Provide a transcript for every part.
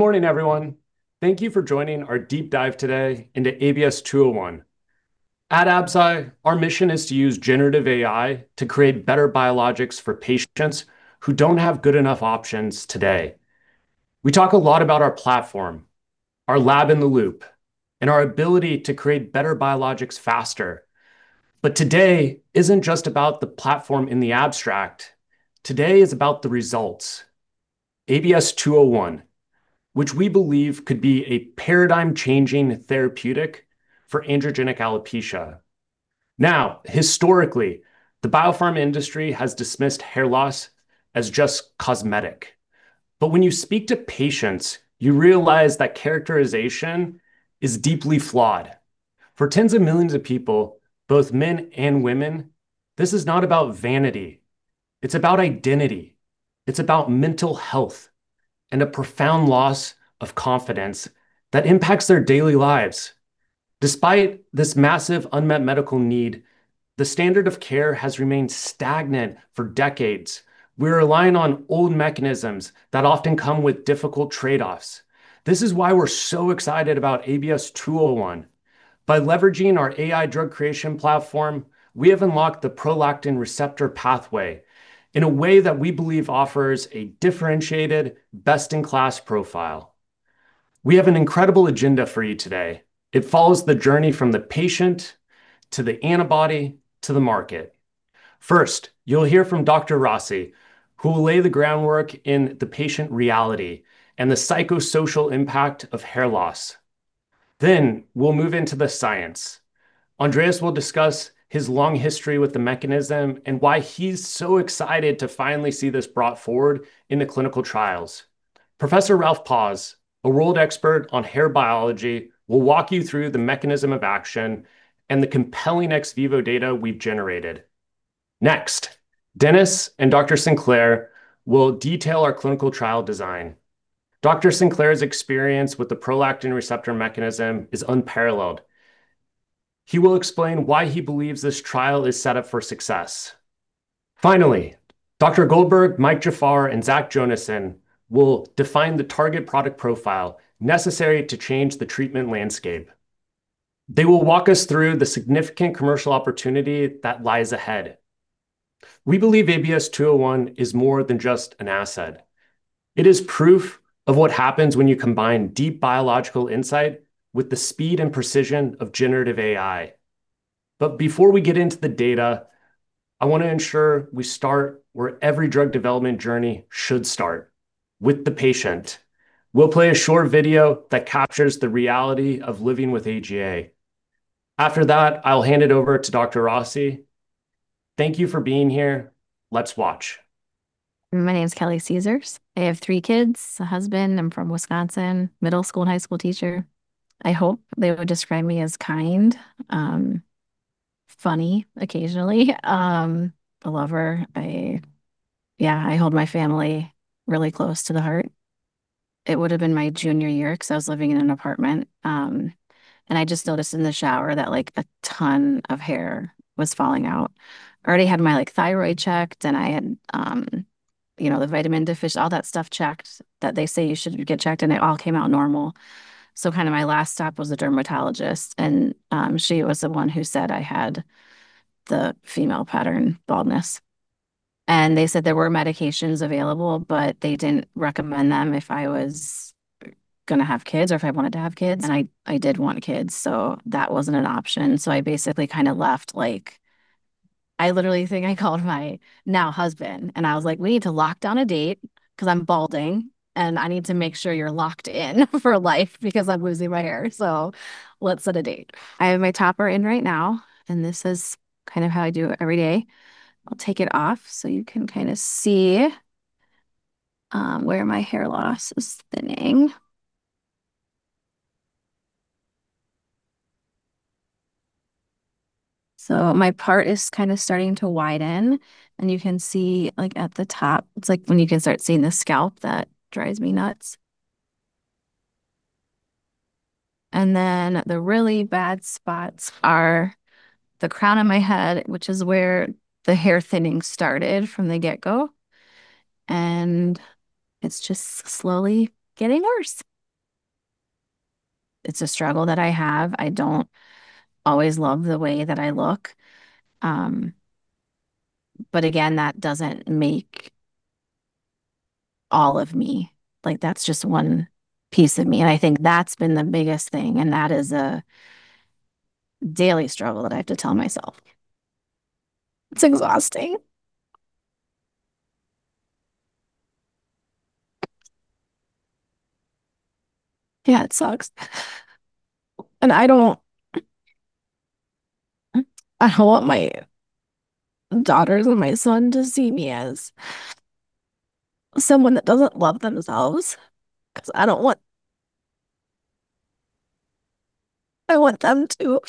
Good morning, everyone. Thank you for joining our deep dive today into ABS-201. At Absci, our mission is to use generative AI to create better biologics for patients who don't have good enough options today. We talk a lot about our platform, our lab in the loop, and our ability to create better biologics faster. But today isn't just about the platform in the abstract. Today is about the results: ABS-201, which we believe could be a paradigm-changing therapeutic for androgenetic alopecia. Now, historically, the biopharma industry has dismissed hair loss as just cosmetic. But when you speak to patients, you realize that characterization is deeply flawed. For tens of millions of people, both men and women, this is not about vanity. It's about identity. It's about mental health and a profound loss of confidence that impacts their daily lives. Despite this massive unmet medical need, the standard of care has remained stagnant for decades. We're relying on old mechanisms that often come with difficult trade-offs. This is why we're so excited about ABS-201. By leveraging our AI drug creation platform, we have unlocked the prolactin receptor pathway in a way that we believe offers a differentiated, best-in-class profile. We have an incredible agenda for you today. It follows the journey from the patient to the antibody to the market. First, you'll hear from Dr. Rossi, who will lay the groundwork in the patient reality and the psychosocial impact of hair loss. Then we'll move into the science. Andreas will discuss his long history with the mechanism and why he's so excited to finally see this brought forward in the clinical trials. Professor Ralf Paus, a world expert on hair biology, will walk you through the mechanism of action and the compelling ex vivo data we've generated. Next, Denis and Dr. Sinclair will detail our clinical trial design. Dr. Sinclair's experience with the prolactin receptor mechanism is unparalleled. He will explain why he believes this trial is set up for success. Finally, Dr. Goldberg, Mike Jafar, and Zach Jonasson will define the target product profile necessary to change the treatment landscape. They will walk us through the significant commercial opportunity that lies ahead. We believe ABS-201 is more than just an asset. It is proof of what happens when you combine deep biological insight with the speed and precision of generative AI. But before we get into the data, I want to ensure we start where every drug development journey should start: with the patient. We'll play a short video that captures the reality of living with AGA. After that, I'll hand it over to Dr. Rossi. Thank you for being here. Let's watch. My name is Kelly Caesars. I have three kids, a husband. I'm from Wisconsin, a middle school and high school teacher. I hope they would describe me as kind, funny occasionally, a lover. Yeah, I hold my family really close to the heart. It would have been my junior year because I was living in an apartment, and I just noticed in the shower that a ton of hair was falling out. I already had my thyroid checked, and I had the vitamin deficit, all that stuff checked that they say you should get checked, and it all came out normal, so kind of my last stop was a dermatologist, and she was the one who said I had the female pattern baldness, and they said there were medications available, but they didn't recommend them if I was going to have kids or if I wanted to have kids. I did want kids, so that wasn't an option. I basically kind of left. I literally think I called my now husband, and I was like, "We need to lock down a date because I'm balding, and I need to make sure you're locked in for life because I'm losing my hair. So let's set a date." I have my topper in right now, and this is kind of how I do it every day. I'll take it off so you can kind of see where my hair loss is thinning. My part is kind of starting to widen, and you can see at the top, it's like when you can start seeing the scalp that drives me nuts. The really bad spots are the crown of my head, which is where the hair thinning started from the get-go. It's just slowly getting worse. It's a struggle that I have. I don't always love the way that I look. But again, that doesn't make all of me. That's just one piece of me. And I think that's been the biggest thing. And that is a daily struggle that I have to tell myself. It's exhausting. Yeah, it sucks. And I don't want my daughters and my son to see me as someone that doesn't love themselves because I don't want them to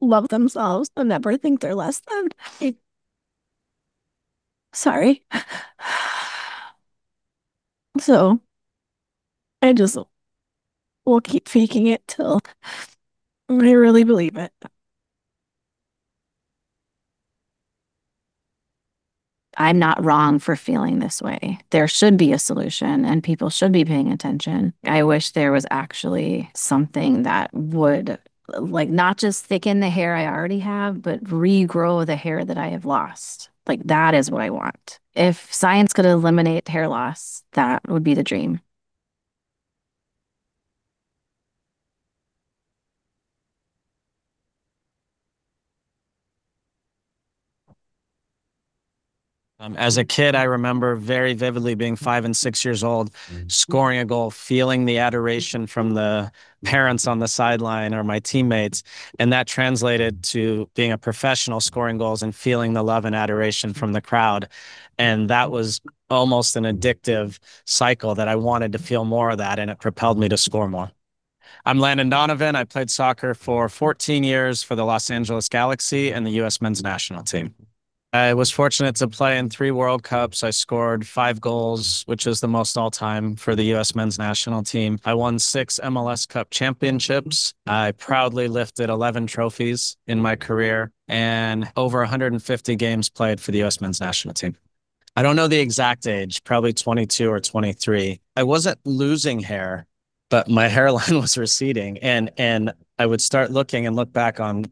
love themselves and never think they're less than. Sorry. So I just will keep faking it till I really believe it. I'm not wrong for feeling this way. There should be a solution, and people should be paying attention. I wish there was actually something that would not just thicken the hair I already have, but regrow the hair that I have lost. That is what I want. If science could eliminate hair loss, that would be the dream. As a kid, I remember very vividly being five and six years old, scoring a goal, feeling the adoration from the parents on the sideline or my teammates. And that translated to being a professional scoring goals and feeling the love and adoration from the crowd. And that was almost an addictive cycle that I wanted to feel more of that, and it propelled me to score more. I'm Landon Donovan. I played soccer for 14 years for the Los Angeles Galaxy and the U.S. Men's National Team. I was fortunate to play in three World Cups. I scored five goals, which is the most all time for the U.S. Men's National Team. I won six MLS Cup championships. I proudly lifted 11 trophies in my career and over 150 games played for the U.S. Men's National Team. I don't know the exact age, probably 22 or 23. I wasn't losing hair, but my hairline was receding. And I would start looking and look back on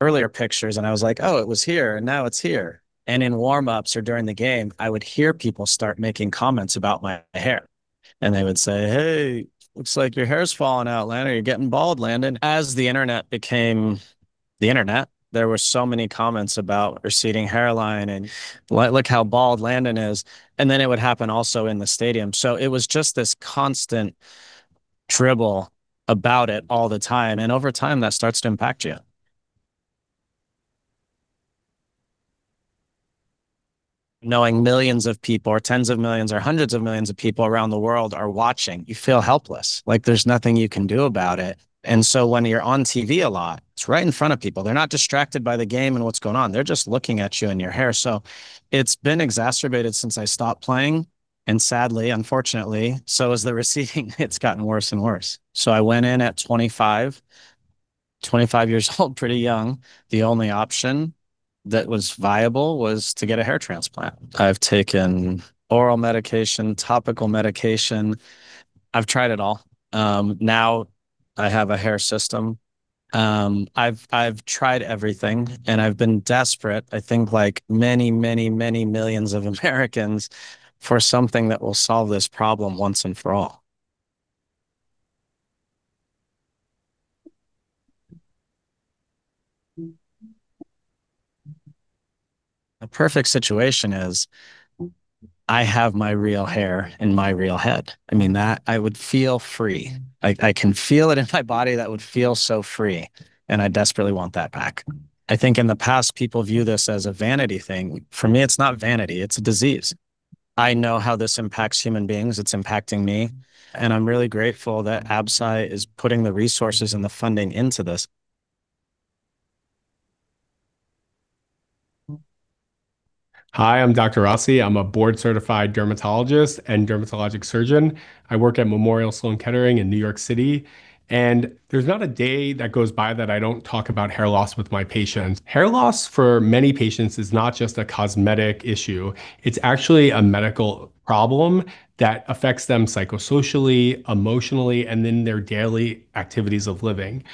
earlier pictures, and I was like, "Oh, it was here, and now it's here." And in warm-ups or during the game, I would hear people start making comments about my hair. And they would say, "Hey, looks like your hair's falling out, Landon. You're getting bald, Landon." As the internet became the internet, there were so many comments about receding hairline and look how bald Landon is. And then it would happen also in the stadium. So it was just this constant dribble about it all the time. And over time, that starts to impact you. Knowing millions of people or tens of millions or hundreds of millions of people around the world are watching, you feel helpless. There's nothing you can do about it. When you're on TV a lot, it's right in front of people. They're not distracted by the game and what's going on. They're just looking at you and your hair. So it's been exacerbated since I stopped playing. And sadly, unfortunately, so has the receding. It's gotten worse and worse. So I went in at 25, 25 years old, pretty young. The only option that was viable was to get a hair transplant. I've taken oral medication, topical medication. I've tried it all. Now I have a hair system. I've tried everything, and I've been desperate, I think, like many, many, many millions of Americans for something that will solve this problem once and for all. A perfect situation is I have my real hair in my real head. I mean, that I would feel free. I can feel it in my body. That would feel so free. I desperately want that back. I think in the past, people view this as a vanity thing. For me, it's not vanity. It's a disease. I know how this impacts human beings. It's impacting me. I'm really grateful that Absci is putting the resources and the funding into this. Hi, I'm Dr. Rossi. I'm a board-certified dermatologist and dermatologic surgeon. I work at Memorial Sloan Kettering in New York City, and there's not a day that goes by that I don't talk about hair loss with my patients. Hair loss for many patients is not just a cosmetic issue. It's actually a medical problem that affects them psychosocially, emotionally, and then their daily activities of living.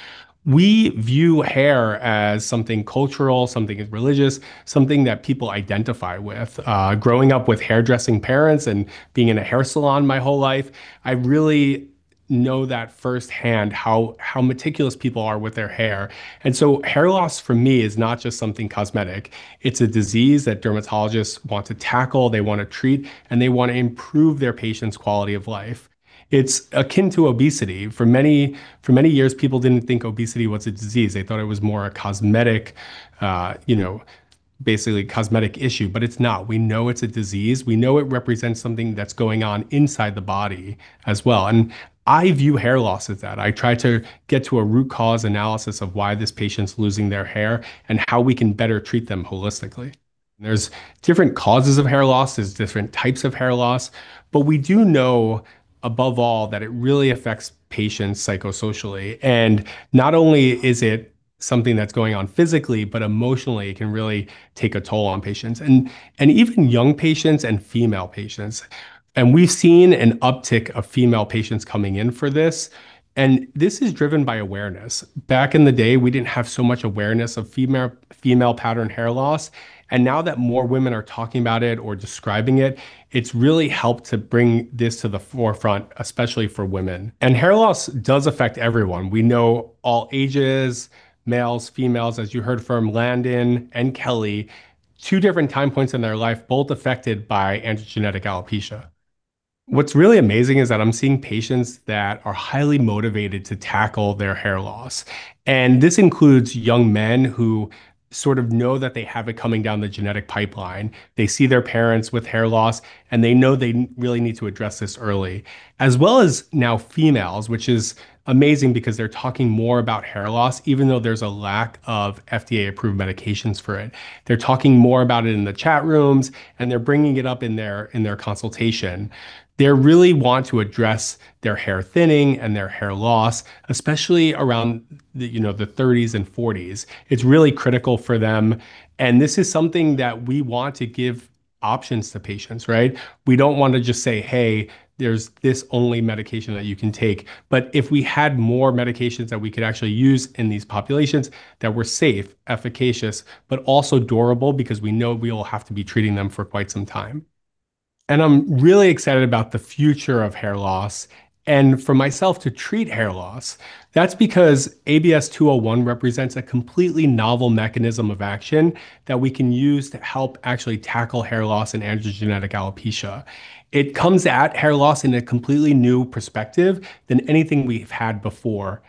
We view hair as something cultural, something religious, something that people identify with. Growing up with hairdressing parents and being in a hair salon my whole life, I really know that firsthand, how meticulous people are with their hair, and so hair loss for me is not just something cosmetic. It's a disease that dermatologists want to tackle. They want to treat, and they want to improve their patients' quality of life. It's akin to obesity. For many years, people didn't think obesity was a disease. They thought it was more a cosmetic, basically cosmetic issue, but it's not. We know it's a disease. We know it represents something that's going on inside the body as well. And I view hair loss as that. I try to get to a root cause analysis of why this patient's losing their hair and how we can better treat them holistically. There's different causes of hair loss. There's different types of hair loss. But we do know, above all, that it really affects patients psychosocially. And not only is it something that's going on physically, but emotionally, it can really take a toll on patients, and even young patients and female patients. And we've seen an uptick of female patients coming in for this. And this is driven by awareness. Back in the day, we didn't have so much awareness of female pattern hair loss, and now that more women are talking about it or describing it, it's really helped to bring this to the forefront, especially for women, and hair loss does affect everyone. We know all ages, males, females, as you heard from Landon and Kelly, two different time points in their life, both affected by androgenetic alopecia. What's really amazing is that I'm seeing patients that are highly motivated to tackle their hair loss, and this includes young men who sort of know that they have it coming down the genetic pipeline. They see their parents with hair loss, and they know they really need to address this early, as well as now females, which is amazing because they're talking more about hair loss, even though there's a lack of FDA-approved medications for it. They're talking more about it in the chat rooms, and they're bringing it up in their consultation. They really want to address their hair thinning and their hair loss, especially around the 30s and 40s. It's really critical for them. And this is something that we want to give options to patients. We don't want to just say, "Hey, there's this only medication that you can take." But if we had more medications that we could actually use in these populations that were safe, efficacious, but also durable because we know we will have to be treating them for quite some time. And I'm really excited about the future of hair loss. And for myself to treat hair loss, that's because ABS-201 represents a completely novel mechanism of action that we can use to help actually tackle hair loss and androgenetic alopecia. It comes at hair loss in a completely new perspective than anything we've had before,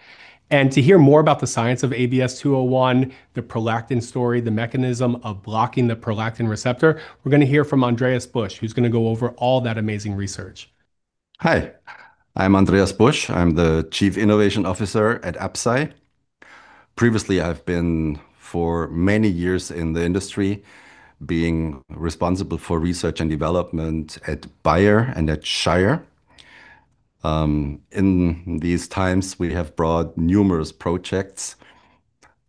and to hear more about the science of ABS-201, the prolactin story, the mechanism of blocking the prolactin receptor, we're going to hear from Andreas Busch, who's going to go over all that amazing research. Hi, I'm Andreas Busch. I'm the Chief Innovation Officer at Absci. Previously, I've been for many years in the industry being responsible for research and development at Bayer and at Schering. In these times, we have brought numerous projects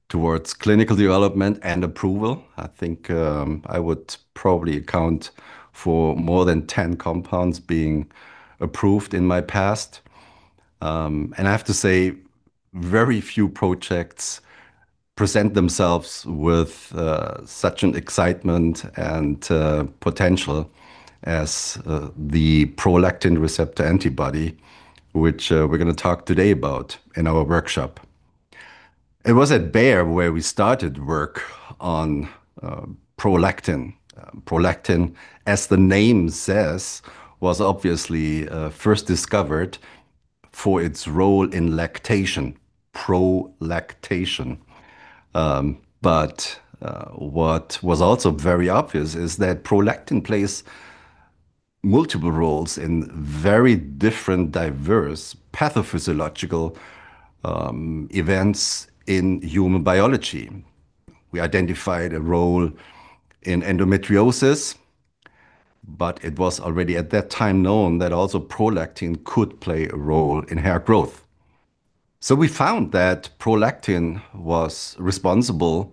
towards clinical development and approval. I think I would probably account for more than 10 compounds being approved in my past. And I have to say very few projects present themselves with such an excitement and potential as the prolactin receptor antibody, which we're going to talk today about in our workshop. It was at Bayer where we started work on prolactin. Prolactin, as the name says, was obviously first discovered for its role in lactation. But what was also very obvious is that prolactin plays multiple roles in very different, diverse pathophysiological events in human biology. We identified a role in endometriosis, but it was already at that time known that also prolactin could play a role in hair growth. So we found that prolactin was responsible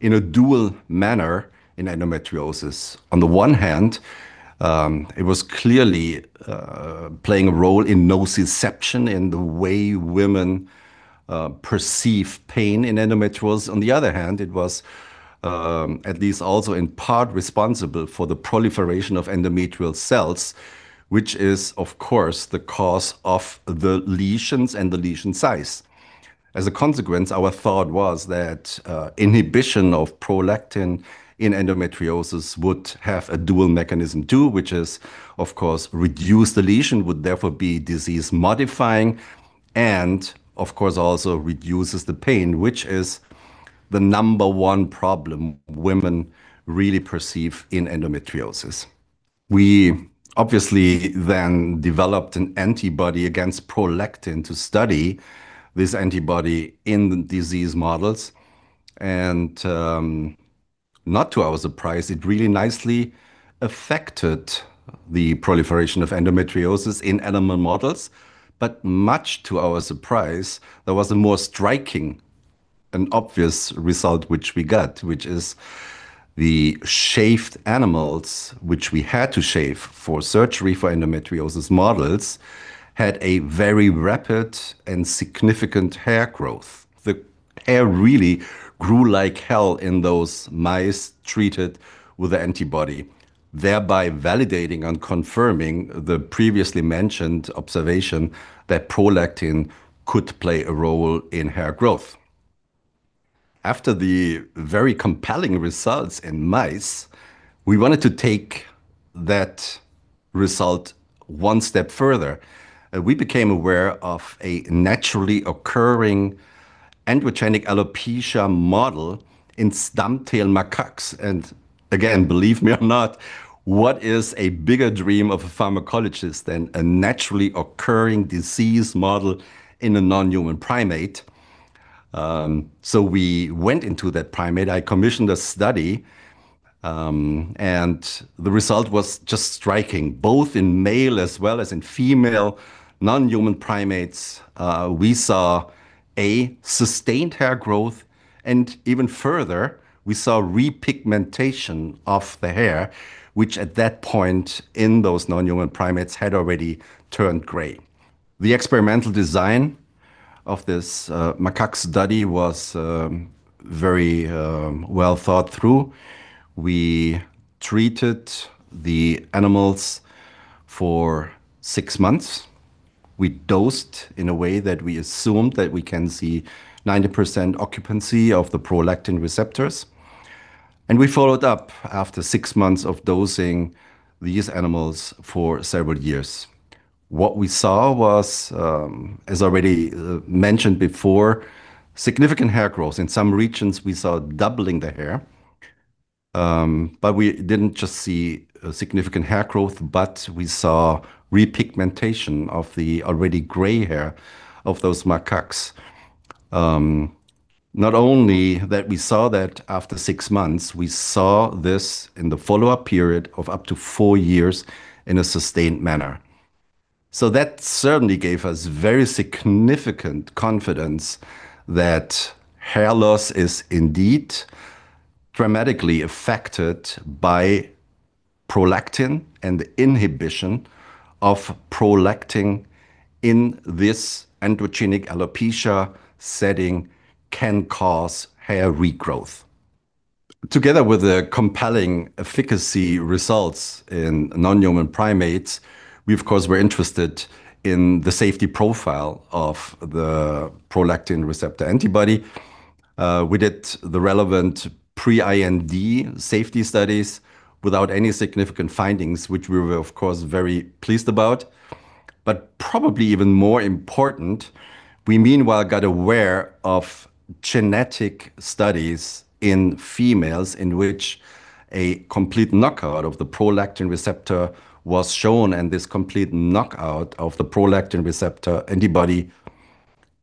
in a dual manner in endometriosis. On the one hand, it was clearly playing a role in nociception in the way women perceive pain in endometriosis. On the other hand, it was at least also in part responsible for the proliferation of endometrial cells, which is, of course, the cause of the lesions and the lesion size. As a consequence, our thought was that inhibition of prolactin in endometriosis would have a dual mechanism too, which is, of course, reduce the lesion, would therefore be disease modifying, and of course, also reduces the pain, which is the number one problem women really perceive in endometriosis. We obviously then developed an antibody against prolactin to study this antibody in disease models. And not to our surprise, it really nicely affected the proliferation of endometriosis in animal models. But much to our surprise, there was a more striking and obvious result, which we got, which is the shaved animals, which we had to shave for surgery for endometriosis models, had a very rapid and significant hair growth. The hair really grew like hell in those mice treated with the antibody, thereby validating and confirming the previously mentioned observation that prolactin could play a role in hair growth. After the very compelling results in mice, we wanted to take that result one step further. We became aware of a naturally occurring androgenetic alopecia model in stump-tailed macaques. And again, believe me or not, what is a bigger dream of a pharmacologist than a naturally occurring disease model in a non-human primate? So we went into that primate. I commissioned a study, and the result was just striking. Both in male as well as in female non-human primates, we saw a sustained hair growth. And even further, we saw repigmentation of the hair, which at that point in those non-human primates had already turned gray. The experimental design of this macaque study was very well thought through. We treated the animals for six months. We dosed in a way that we assumed that we can see 90% occupancy of the prolactin receptors. And we followed up after six months of dosing these animals for several years. What we saw was, as already mentioned before, significant hair growth. In some regions, we saw doubling the hair. But we didn't just see significant hair growth, but we saw repigmentation of the already gray hair of those macaques. Not only that, we saw that after six months, we saw this in the follow-up period of up to four years in a sustained manner. So that certainly gave us very significant confidence that hair loss is indeed dramatically affected by prolactin and the inhibition of prolactin in this androgenetic alopecia setting can cause hair regrowth. Together with the compelling efficacy results in non-human primates, we, of course, were interested in the safety profile of the prolactin receptor antibody. We did the relevant pre-IND safety studies without any significant findings, which we were, of course, very pleased about. But probably even more important, we meanwhile got aware of genetic studies in females in which a complete knockout of the prolactin receptor was shown. And this complete knockout of the prolactin receptor antibody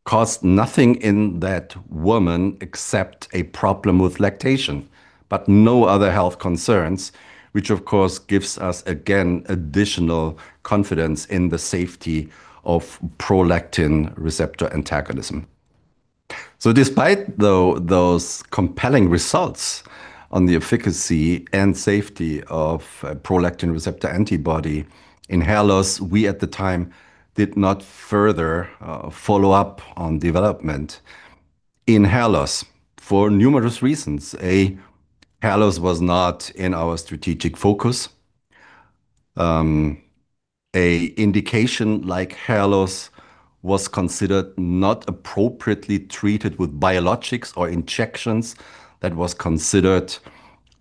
caused nothing in that woman except a problem with lactation, but no other health concerns, which, of course, gives us again additional confidence in the safety of prolactin receptor antagonism. So despite those compelling results on the efficacy and safety of prolactin receptor antibody in hair loss, we at the time did not further follow up on development in hair loss for numerous reasons. Hair loss was not in our strategic focus. An indication like hair loss was considered not appropriately treated with biologics or injections. That was considered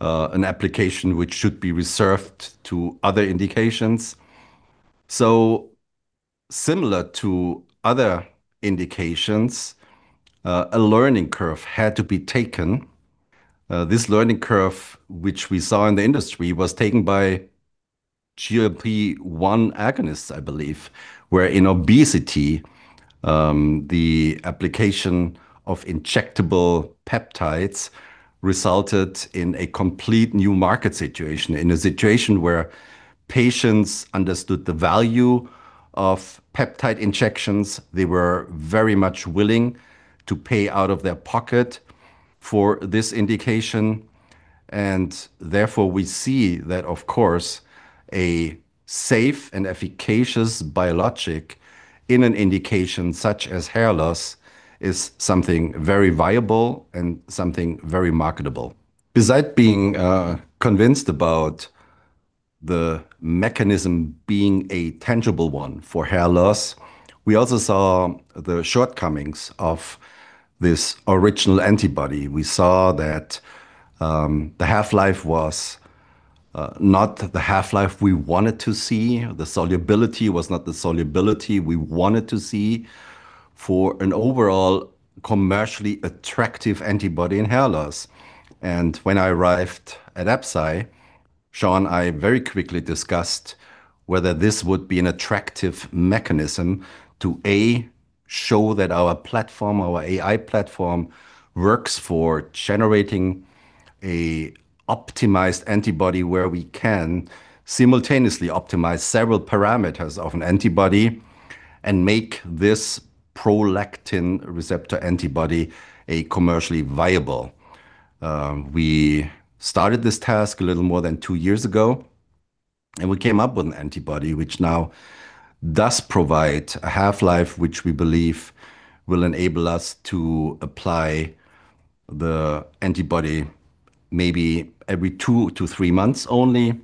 an application which should be reserved to other indications. So similar to other indications, a learning curve had to be taken. This learning curve, which we saw in the industry, was taken by GLP-1 agonists, I believe, where in obesity, the application of injectable peptides resulted in a complete new market situation, in a situation where patients understood the value of peptide injections. They were very much willing to pay out of their pocket for this indication. And therefore, we see that, of course, a safe and efficacious biologic in an indication such as hair loss is something very viable and something very marketable. Besides being convinced about the mechanism being a tangible one for hair loss, we also saw the shortcomings of this original antibody. We saw that the half-life was not the half-life we wanted to see. The solubility was not the solubility we wanted to see for an overall commercially attractive antibody in hair loss. And when I arrived at Absci, Sean and I very quickly discussed whether this would be an attractive mechanism to, A, show that our platform, our AI platform, works for generating an optimized antibody where we can simultaneously optimize several parameters of an antibody and make this prolactin receptor antibody commercially viable. We started this task a little more than two years ago, and we came up with an antibody which now does provide a half-life, which we believe will enable us to apply the antibody maybe every two to three months only.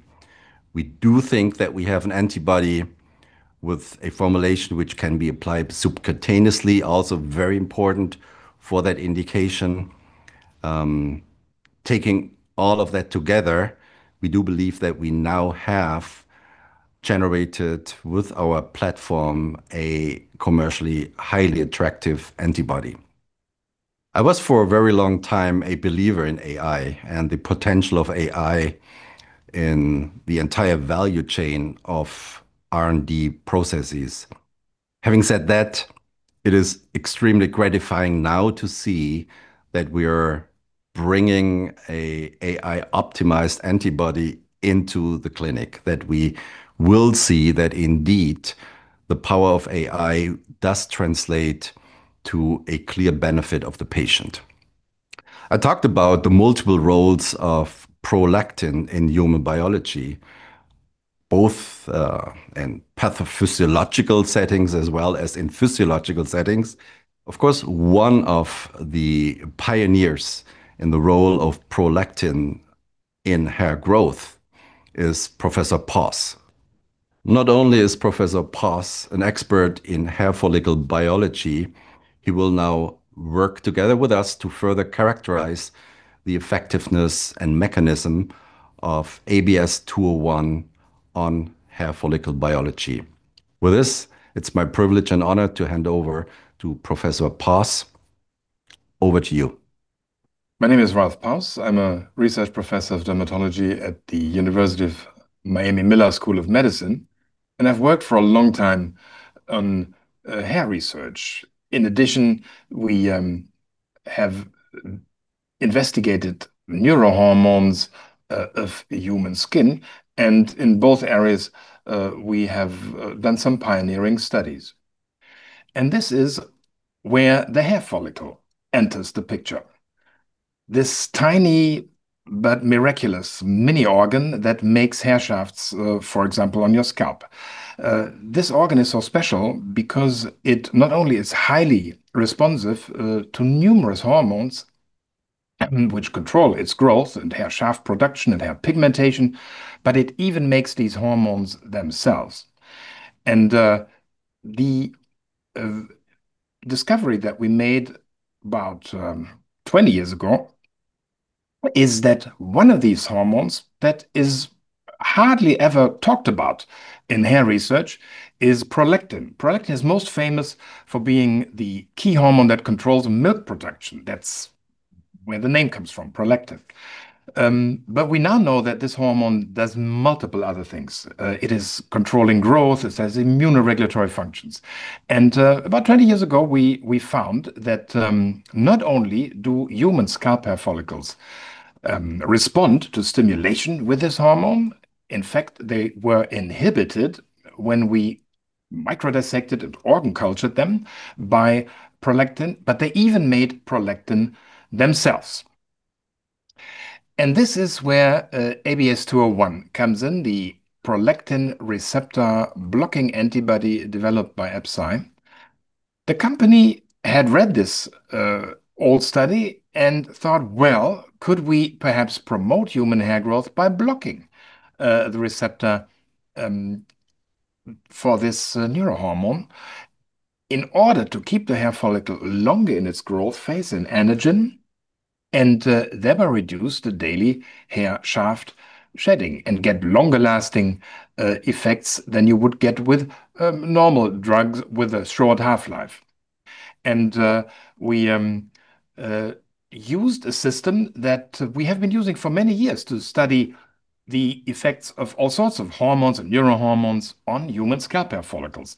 We do think that we have an antibody with a formulation which can be applied subcutaneously, also very important for that indication. Taking all of that together, we do believe that we now have generated with our platform a commercially highly attractive antibody. I was for a very long time a believer in AI and the potential of AI in the entire value chain of R&D processes. Having said that, it is extremely gratifying now to see that we are bringing an AI-optimized antibody into the clinic, that we will see that indeed the power of AI does translate to a clear benefit of the patient. I talked about the multiple roles of prolactin in human biology, both in pathophysiological settings as well as in physiological settings. Of course, one of the pioneers in the role of prolactin in hair growth is Professor Paus. Not only is Professor Paus an expert in hair follicle biology, he will now work together with us to further characterize the effectiveness and mechanism of ABS-201 on hair follicle biology. With this, it's my privilege and honor to hand over to Professor Paus. Over to you. My name is Ralf Paus. I'm a research professor of dermatology at the University of Miami Miller School of Medicine, and I've worked for a long time on hair research. In addition, we have investigated neurohormones of human skin. And in both areas, we have done some pioneering studies. And this is where the hair follicle enters the picture. This tiny but miraculous mini organ that makes hair shafts, for example, on your scalp. This organ is so special because it not only is highly responsive to numerous hormones which control its growth and hair shaft production and hair pigmentation, but it even makes these hormones themselves. And the discovery that we made about 20 years ago is that one of these hormones that is hardly ever talked about in hair research is prolactin. Prolactin is most famous for being the key hormone that controls milk production. That's where the name comes from, prolactin, but we now know that this hormone does multiple other things. It is controlling growth. It has immunoregulatory functions, and about 20 years ago, we found that not only do human scalp hair follicles respond to stimulation with this hormone, in fact, they were inhibited when we microdissected and organ cultured them by prolactin, but they even made prolactin themselves, and this is where ABS-201 comes in, the prolactin receptor blocking antibody developed by Absci. The company had read this old study and thought, well, could we perhaps promote human hair growth by blocking the receptor for this neurohormone in order to keep the hair follicle longer in its growth phase and anagen and thereby reduce the daily hair shaft shedding and get longer-lasting effects than you would get with normal drugs with a short half-life. We used a system that we have been using for many years to study the effects of all sorts of hormones and neurohormones on human scalp hair follicles.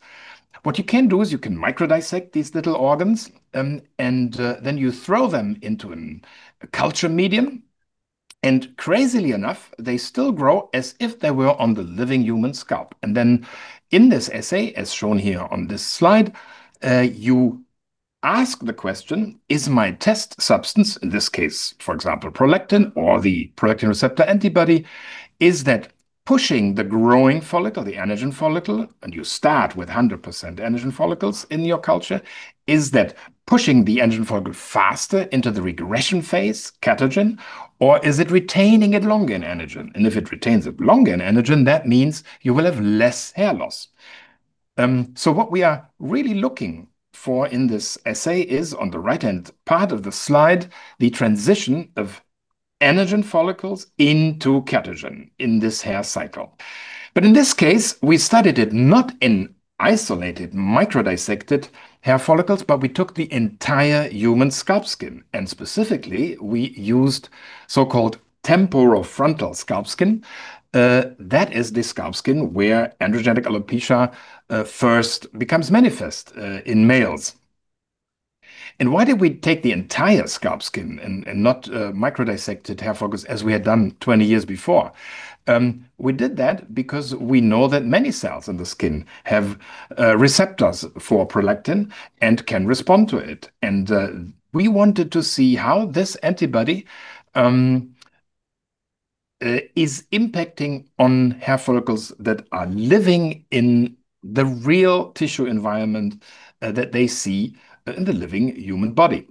What you can do is you can microdissect these little organs, and then you throw them into a culture medium. Crazily enough, they still grow as if they were on the living human scalp. In this assay, as shown here on this slide, you ask the question, is my test substance, in this case, for example, prolactin or the prolactin receptor antibody, is that pushing the growing follicle or the anagen follicle? You start with 100% anagen follicles in your culture. Is that pushing the anagen follicle faster into the regression phase, catagen, or is it retaining it longer in anagen? If it retains it longer in anagen, that means you will have less hair loss. What we are really looking for in this essay is on the right-hand part of the slide, the transition of androgenetic follicles into catagen in this hair cycle. But in this case, we studied it not in isolated microdissected hair follicles, but we took the entire human scalp skin. And specifically, we used so-called temporofrontal scalp skin. That is the scalp skin where androgenetic alopecia first becomes manifest in males. And why did we take the entire scalp skin and not microdissected hair follicles as we had done 20 years before? We did that because we know that many cells in the skin have receptors for prolactin and can respond to it. And we wanted to see how this antibody is impacting on hair follicles that are living in the real tissue environment that they see in the living human body.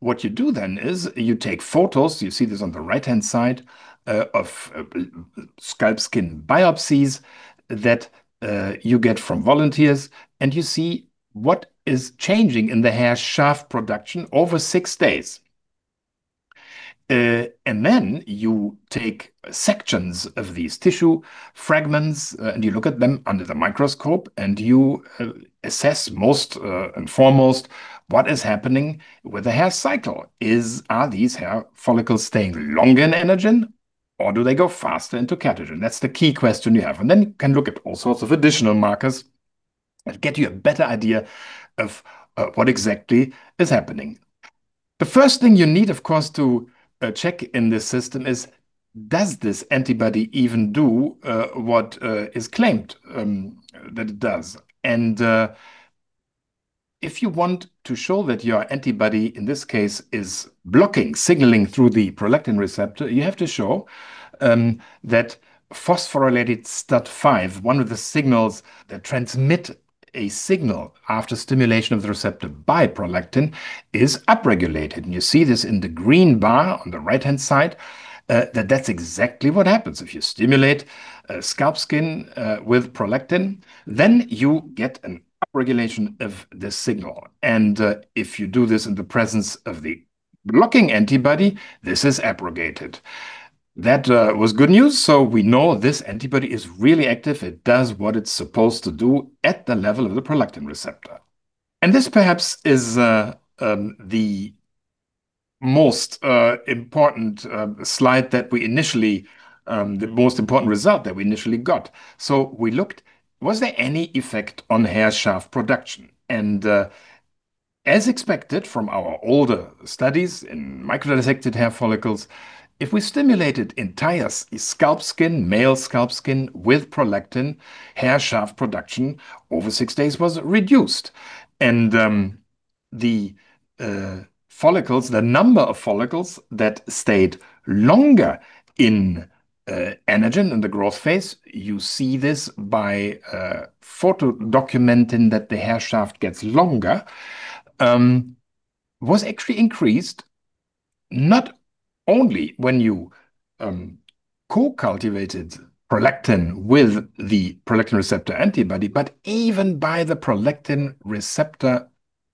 What you do then is you take photos. You see this on the right-hand side of scalp skin biopsies that you get from volunteers, and you see what is changing in the hair shaft production over six days. Then you take sections of these tissue fragments, and you look at them under the microscope, and you assess first and foremost what is happening with the hair cycle. Are these hair follicles staying longer in anagen, or do they go faster into catagen? That's the key question you have. Then you can look at all sorts of additional markers and give you a better idea of what exactly is happening. The first thing you need, of course, to check in this system is, does this antibody even do what is claimed that it does? And if you want to show that your antibody in this case is blocking signaling through the prolactin receptor, you have to show that phosphorylated STAT5, one of the signals that transmit a signal after stimulation of the receptor by prolactin, is upregulated. And you see this in the green bar on the right-hand side, that that's exactly what happens. If you stimulate scalp skin with prolactin, then you get an upregulation of this signal. And if you do this in the presence of the blocking antibody, this is abrogated. That was good news. So we know this antibody is really active. It does what it's supposed to do at the level of the prolactin receptor. And this perhaps is the most important result that we initially got. So we looked, was there any effect on hair shaft production? As expected from our older studies in microdissected hair follicles, if we stimulated entire scalp skin, male scalp skin with prolactin, hair shaft production over six days was reduced. The follicles, the number of follicles that stayed longer in anagen in the growth phase, you see this by photodocumenting that the hair shaft gets longer, was actually increased not only when you co-cultured prolactin with the prolactin receptor antibody, but even by the prolactin receptor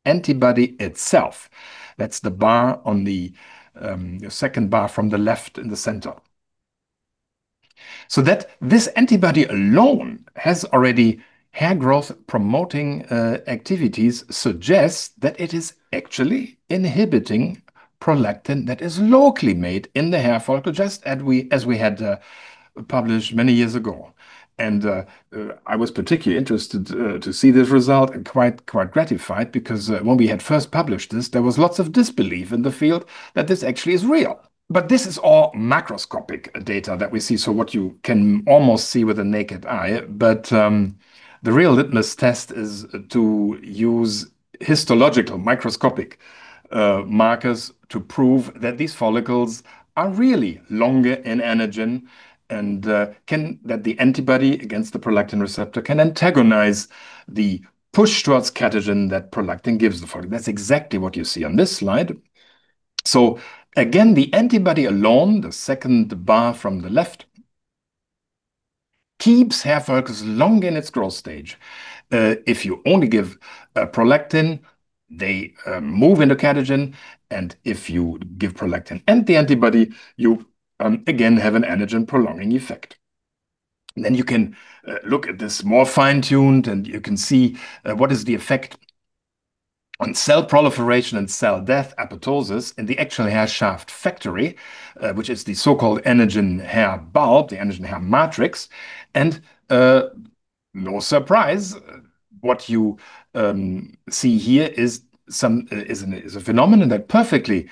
antibody itself. That's the bar on the second bar from the left in the center. That this antibody alone has already hair growth promoting activities suggests that it is actually inhibiting prolactin that is locally made in the hair follicle, just as we had published many years ago. And I was particularly interested to see this result and quite gratified because when we had first published this, there was lots of disbelief in the field that this actually is real. But this is all macroscopic data that we see. So what you can almost see with the naked eye. But the real litmus test is to use histological microscopic markers to prove that these follicles are really longer in anagen and that the antibody against the prolactin receptor can antagonize the push towards catagen that prolactin gives the follicle. That's exactly what you see on this slide. So again, the antibody alone, the second bar from the left, keeps hair follicles longer in its growth stage. If you only give prolactin, they move into catagen. And if you give prolactin and the antibody, you again have an anagen prolonging effect. Then you can look at this more fine-tuned, and you can see what is the effect on cell proliferation and cell death, apoptosis in the actual hair shaft factory, which is the so-called androgen hair bulb, the androgen hair matrix. No surprise, what you see here is a phenomenon that perfectly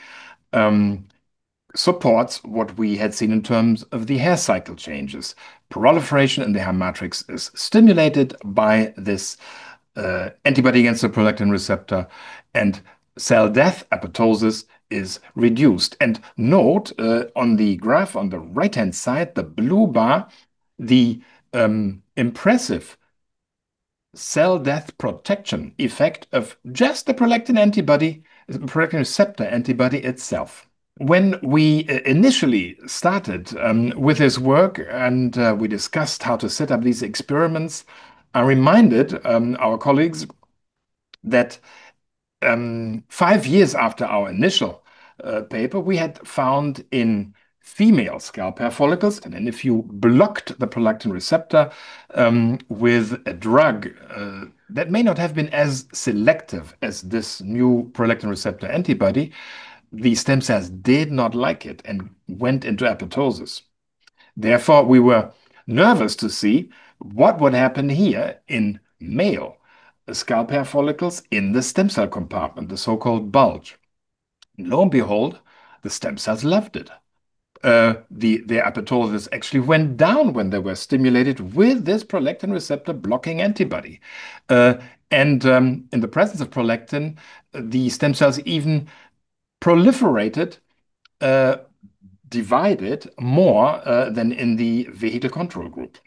supports what we had seen in terms of the hair cycle changes. Proliferation in the hair matrix is stimulated by this antibody against the prolactin receptor, and cell death, apoptosis, is reduced. Note on the graph on the right-hand side, the blue bar, the impressive cell death protection effect of just the prolactin antibody, the prolactin receptor antibody itself. When we initially started with this work and we discussed how to set up these experiments, I reminded our colleagues that five years after our initial paper, we had found in female scalp hair follicles. And then if you blocked the prolactin receptor with a drug that may not have been as selective as this new prolactin receptor antibody, the stem cells did not like it and went into apoptosis. Therefore, we were nervous to see what would happen here in male scalp hair follicles in the stem cell compartment, the so-called bulge. Lo and behold, the stem cells loved it. The apoptosis actually went down when they were stimulated with this prolactin receptor blocking antibody. And in the presence of prolactin, the stem cells even proliferated, divided more than in the vehicle control group.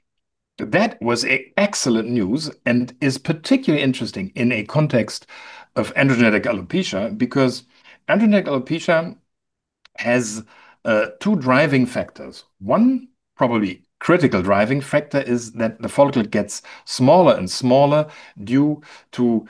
That was excellent news and is particularly interesting in a context of androgenetic alopecia because androgenetic alopecia has two driving factors. One probably critical driving factor is that the follicle gets smaller and smaller due to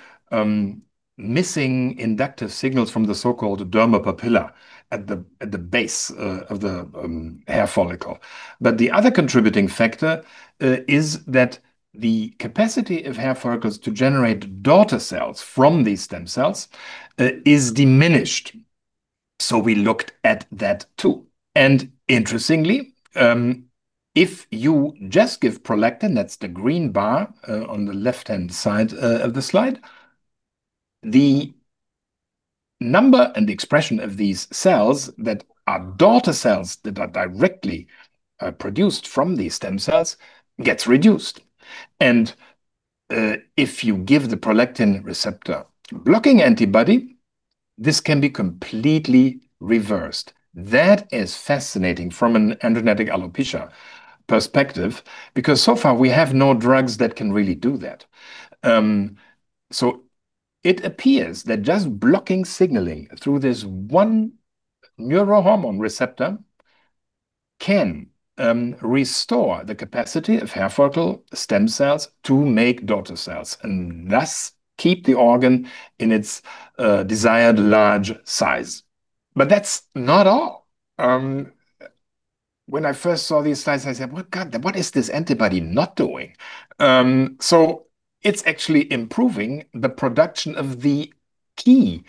missing inductive signals from the so-called dermal papilla at the base of the hair follicle. But the other contributing factor is that the capacity of hair follicles to generate daughter cells from these stem cells is diminished. So we looked at that too. And interestingly, if you just give prolactin, that's the green bar on the left-hand side of the slide, the number and the expression of these cells that are daughter cells that are directly produced from these stem cells gets reduced. And if you give the prolactin receptor blocking antibody, this can be completely reversed. That is fascinating from an androgenetic alopecia perspective because so far we have no drugs that can really do that. It appears that just blocking signaling through this one neurohormone receptor can restore the capacity of hair follicle stem cells to make daughter cells and thus keep the organ in its desired large size. But that's not all. When I first saw these slides, I said, "What, God? What is this antibody not doing?" It's actually improving the production of the key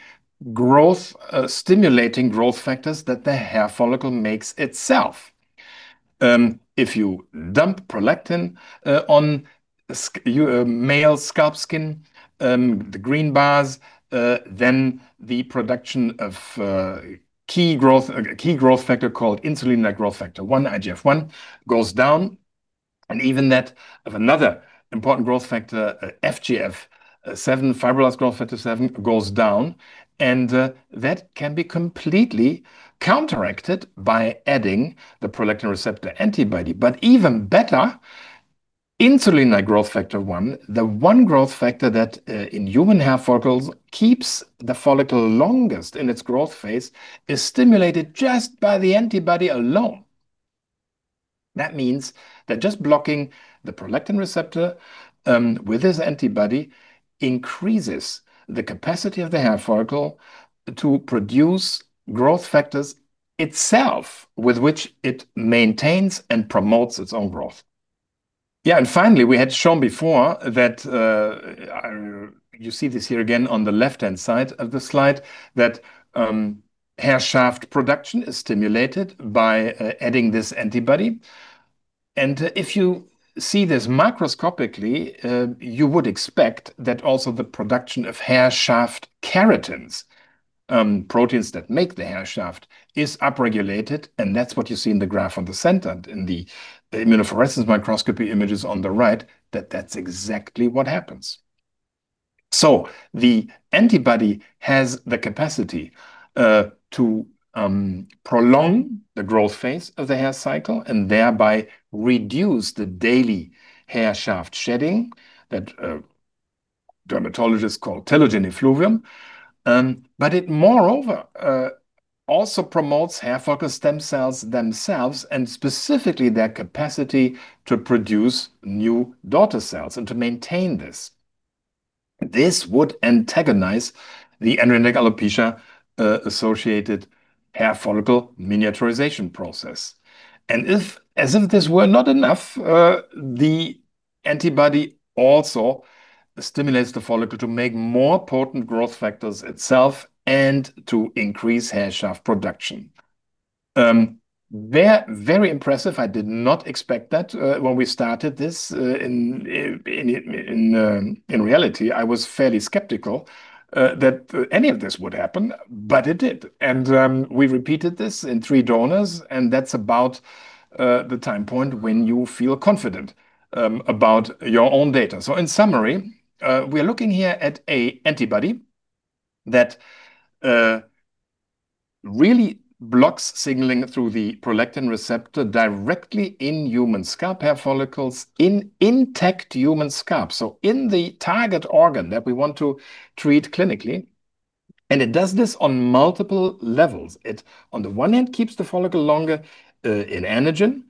growth-stimulating growth factors that the hair follicle makes itself. If you dump prolactin on male scalp skin, the green bars, then the production of key growth factor called insulin-like growth factor 1, IGF-1, goes down. And even that of another important growth factor, FGF-7, fibroblast growth factor 7, goes down. And that can be completely counteracted by adding the prolactin receptor antibody. But even better, insulin-like growth factor 1, the one growth factor that in human hair follicles keeps the follicle longest in its growth phase, is stimulated just by the antibody alone. That means that just blocking the prolactin receptor with this antibody increases the capacity of the hair follicle to produce growth factors itself with which it maintains and promotes its own growth. Yeah, and finally, we had shown before that you see this here again on the left-hand side of the slide that hair shaft production is stimulated by adding this antibody. And if you see this microscopically, you would expect that also the production of hair shaft keratins, proteins that make the hair shaft, is upregulated. And that's what you see in the graph on the center in the immunofluorescence microscopy images on the right, that that's exactly what happens. The antibody has the capacity to prolong the growth phase of the hair cycle and thereby reduce the daily hair shaft shedding that dermatologists call telogen effluvium. It moreover also promotes hair follicle stem cells themselves and specifically their capacity to produce new daughter cells and to maintain this. This would antagonize the androgenetic alopecia associated hair follicle miniaturization process. As if this were not enough, the antibody also stimulates the follicle to make more potent growth factors itself and to increase hair shaft production. They're very impressive. I did not expect that when we started this in reality. I was fairly skeptical that any of this would happen, but it did. We repeated this in three donors, and that's about the time point when you feel confident about your own data. So in summary, we are looking here at an antibody that really blocks signaling through the prolactin receptor directly in human scalp hair follicles in intact human scalp. So in the target organ that we want to treat clinically. And it does this on multiple levels. It on the one hand keeps the follicle longer in anagen.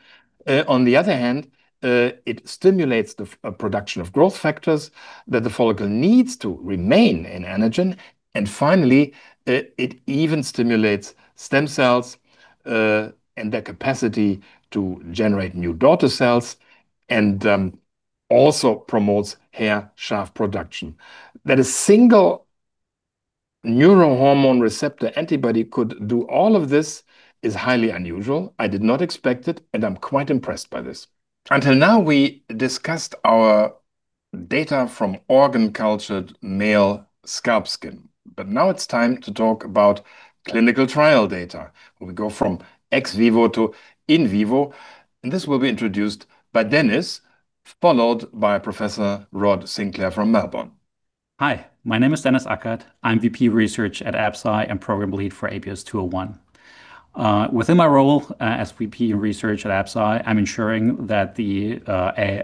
On the other hand, it stimulates the production of growth factors that the follicle needs to remain in anagen. And finally, it even stimulates stem cells and their capacity to generate new daughter cells and also promotes hair shaft production. That a single neurohormone receptor antibody could do all of this is highly unusual. I did not expect it, and I'm quite impressed by this. Until now, we discussed our data from organ cultured male scalp skin. But now it's time to talk about clinical trial data. We go from ex vivo to in vivo, and this will be introduced by Denis, followed by Professor Rod Sinclair from Melbourne. Hi, my name is Denis Akkad. I'm VP Research at Absci and Program Lead for ABS-201. Within my role as VP in Research at Absci, I'm ensuring that the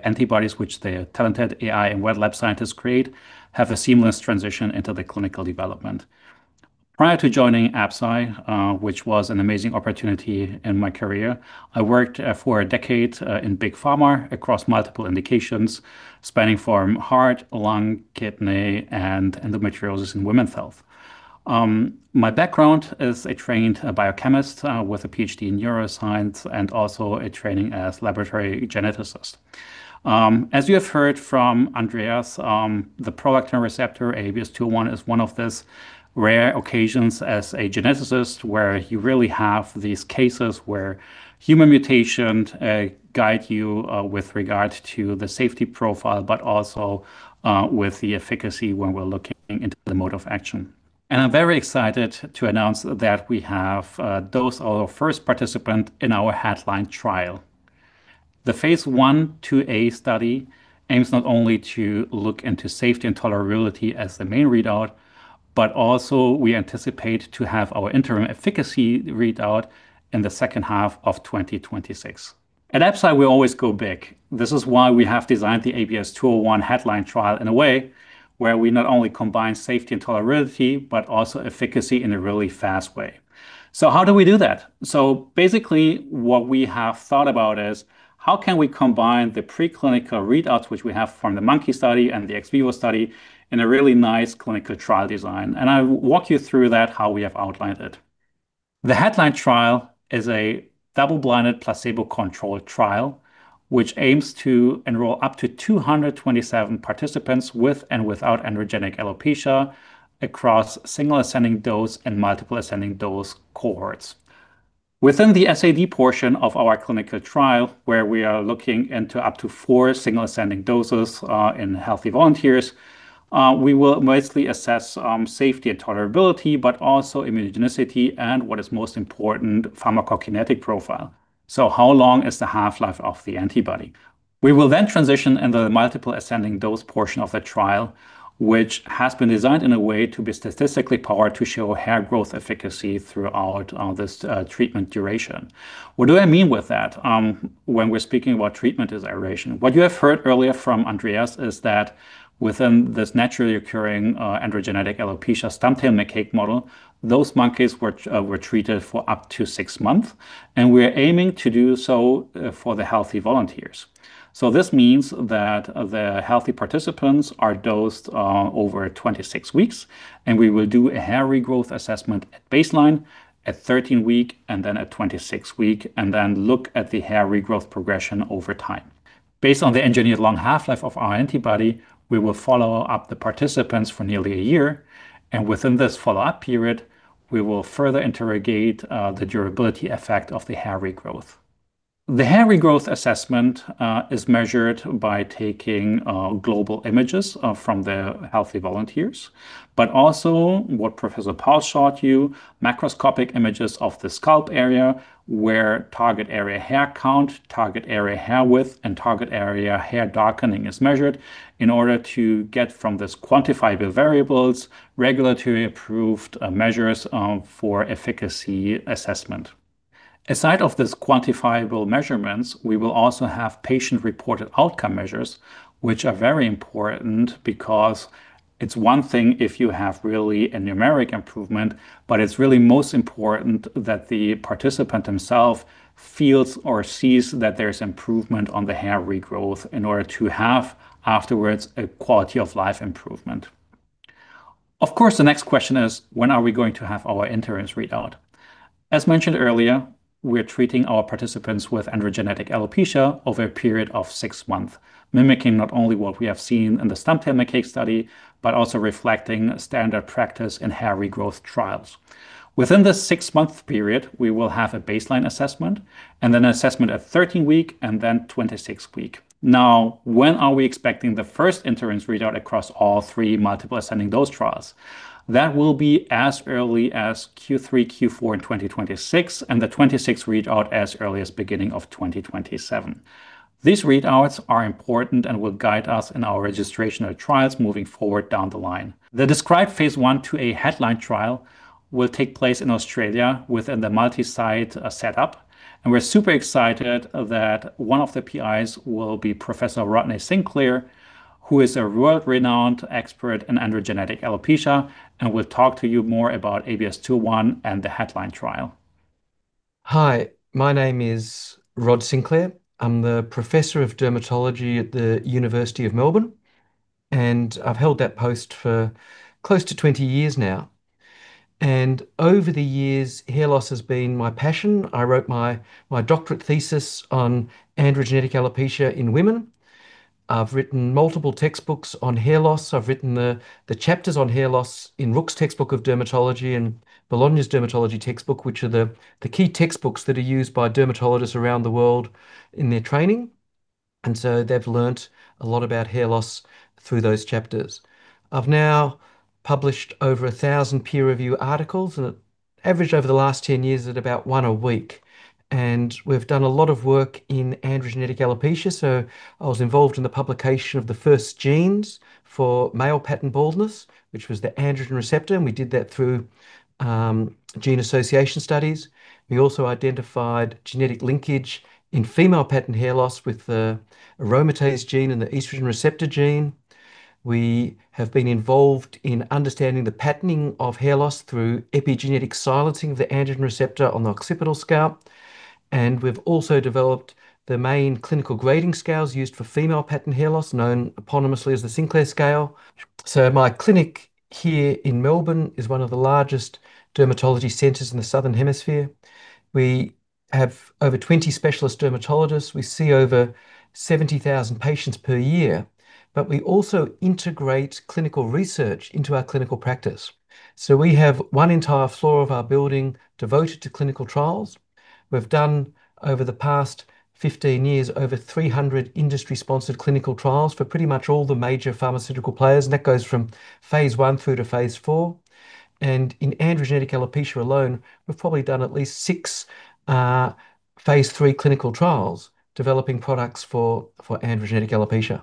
antibodies which the talented AI and wet lab scientists create have a seamless transition into the clinical development. Prior to joining Absci, which was an amazing opportunity in my career, I worked for a decade in big pharma across multiple indications, spanning from heart, lung, kidney, and endometriosis in women's health. My background is a trained biochemist with a PhD in neuroscience and also a training as laboratory geneticist. As you have heard from Andreas, the prolactin receptor ABS-201 is one of these rare occasions as a geneticist where you really have these cases where human mutations guide you with regard to the safety profile, but also with the efficacy when we're looking into the mode of action. And I'm very excited to announce that we have dosed our first participant in our headline trial. The phase 1/2a study aims not only to look into safety and tolerability as the main readout, but also we anticipate to have our interim efficacy readout in the second half of 2026. At Absci, we always go big. This is why we have designed the ABS-201 headline trial in a way where we not only combine safety and tolerability, but also efficacy in a really fast way. So how do we do that? So basically, what we have thought about is how can we combine the preclinical readouts which we have from the monkey study and the ex vivo study in a really nice clinical trial design? And I'll walk you through that, how we have outlined it. The headline trial is a double-blinded placebo-controlled trial, which aims to enroll up to 227 participants with and without androgenetic alopecia across single ascending dose and multiple ascending dose cohorts. Within the SAD portion of our clinical trial, where we are looking into up to four single ascending doses in healthy volunteers, we will mostly assess safety and tolerability, but also immunogenicity and what is most important, pharmacokinetic profile. So how long is the half-life of the antibody? We will then transition in the multiple ascending dose portion of the trial, which has been designed in a way to be statistically powered to show hair growth efficacy throughout this treatment duration. What do I mean with that when we're speaking about treatment iteration? What you have heard earlier from Andreas is that within this naturally occurring androgenetic alopecia stump-tailed macaque model, those monkeys were treated for up to six months, and we are aiming to do so for the healthy volunteers. So this means that the healthy participants are dosed over 26 weeks, and we will do a hair regrowth assessment at baseline, at 13 weeks, and then at 26 weeks, and then look at the hair regrowth progression over time. Based on the engineered long half-life of our antibody, we will follow up the participants for nearly a year, and within this follow-up period, we will further interrogate the durability effect of the hair regrowth. The hair regrowth assessment is measured by taking global images from the healthy volunteers, but also what Professor Paus showed you, macroscopic images of the scalp area where target area hair count, target area hair width, and target area hair darkening is measured in order to get from these quantifiable variables regulatory approved measures for efficacy assessment. Aside from these quantifiable measurements, we will also have patient-reported outcome measures, which are very important because it's one thing if you have really a numeric improvement, but it's really most important that the participant themself feels or sees that there is improvement on the hair regrowth in order to have afterwards a quality of life improvement. Of course, the next question is, when are we going to have our interim readout? As mentioned earlier, we are treating our participants with androgenetic alopecia over a period of six months, mimicking not only what we have seen in the stump-tailed macaque study, but also reflecting standard practice in hair regrowth trials. Within this six-month period, we will have a baseline assessment and then an assessment at 13 weeks and then 26 weeks. Now, when are we expecting the first interim readout across all three multiple ascending dose trials? That will be as early as Q3, Q4 in 2026, and the 26th readout as early as beginning of 2027. These readouts are important and will guide us in our registration of trials moving forward down the line. The described phase 1/2a headline trial will take place in Australia within the multi-site setup, and we're super excited that one of the PIs will be Professor Rodney Sinclair, who is a world-renowned expert in androgenetic alopecia and will talk to you more about ABS-201 and the headline trial. Hi, my name is Rod Sinclair. I'm the Professor of Dermatology at the University of Melbourne, and I've held that post for close to 20 years now, and over the years, hair loss has been my passion. I wrote my doctorate thesis on androgenetic alopecia in women. I've written multiple textbooks on hair loss. I've written the chapters on hair loss in Rook's Textbook of Dermatology and Bolognia's Dermatology, which are the key textbooks that are used by dermatologists around the world in their training, and so they've learned a lot about hair loss through those chapters. I've now published over a thousand peer-reviewed articles, and averaged over the last 10 years at about one a week. And we've done a lot of work in androgenetic alopecia. So I was involved in the publication of the first genes for male pattern baldness, which was the androgen receptor, and we did that through gene association studies. We also identified genetic linkage in female pattern hair loss with the aromatase gene and the estrogen receptor gene. We have been involved in understanding the patterning of hair loss through epigenetic silencing of the androgen receptor on the occipital scalp. And we've also developed the main clinical grading scales used for female pattern hair loss, known eponymously as the Sinclair scale. So my clinic here in Melbourne is one of the largest dermatology centers in the southern hemisphere. We have over 20 specialist dermatologists. We see over 70,000 patients per year, but we also integrate clinical research into our clinical practice. So we have one entire floor of our building devoted to clinical trials. We've done, over the past 15 years, over 300 industry-sponsored clinical trials for pretty much all the major pharmaceutical players, and that goes from phase I through to phase IV. And in androgenetic alopecia alone, we've probably done at least six phase III clinical trials developing products for androgenetic alopecia.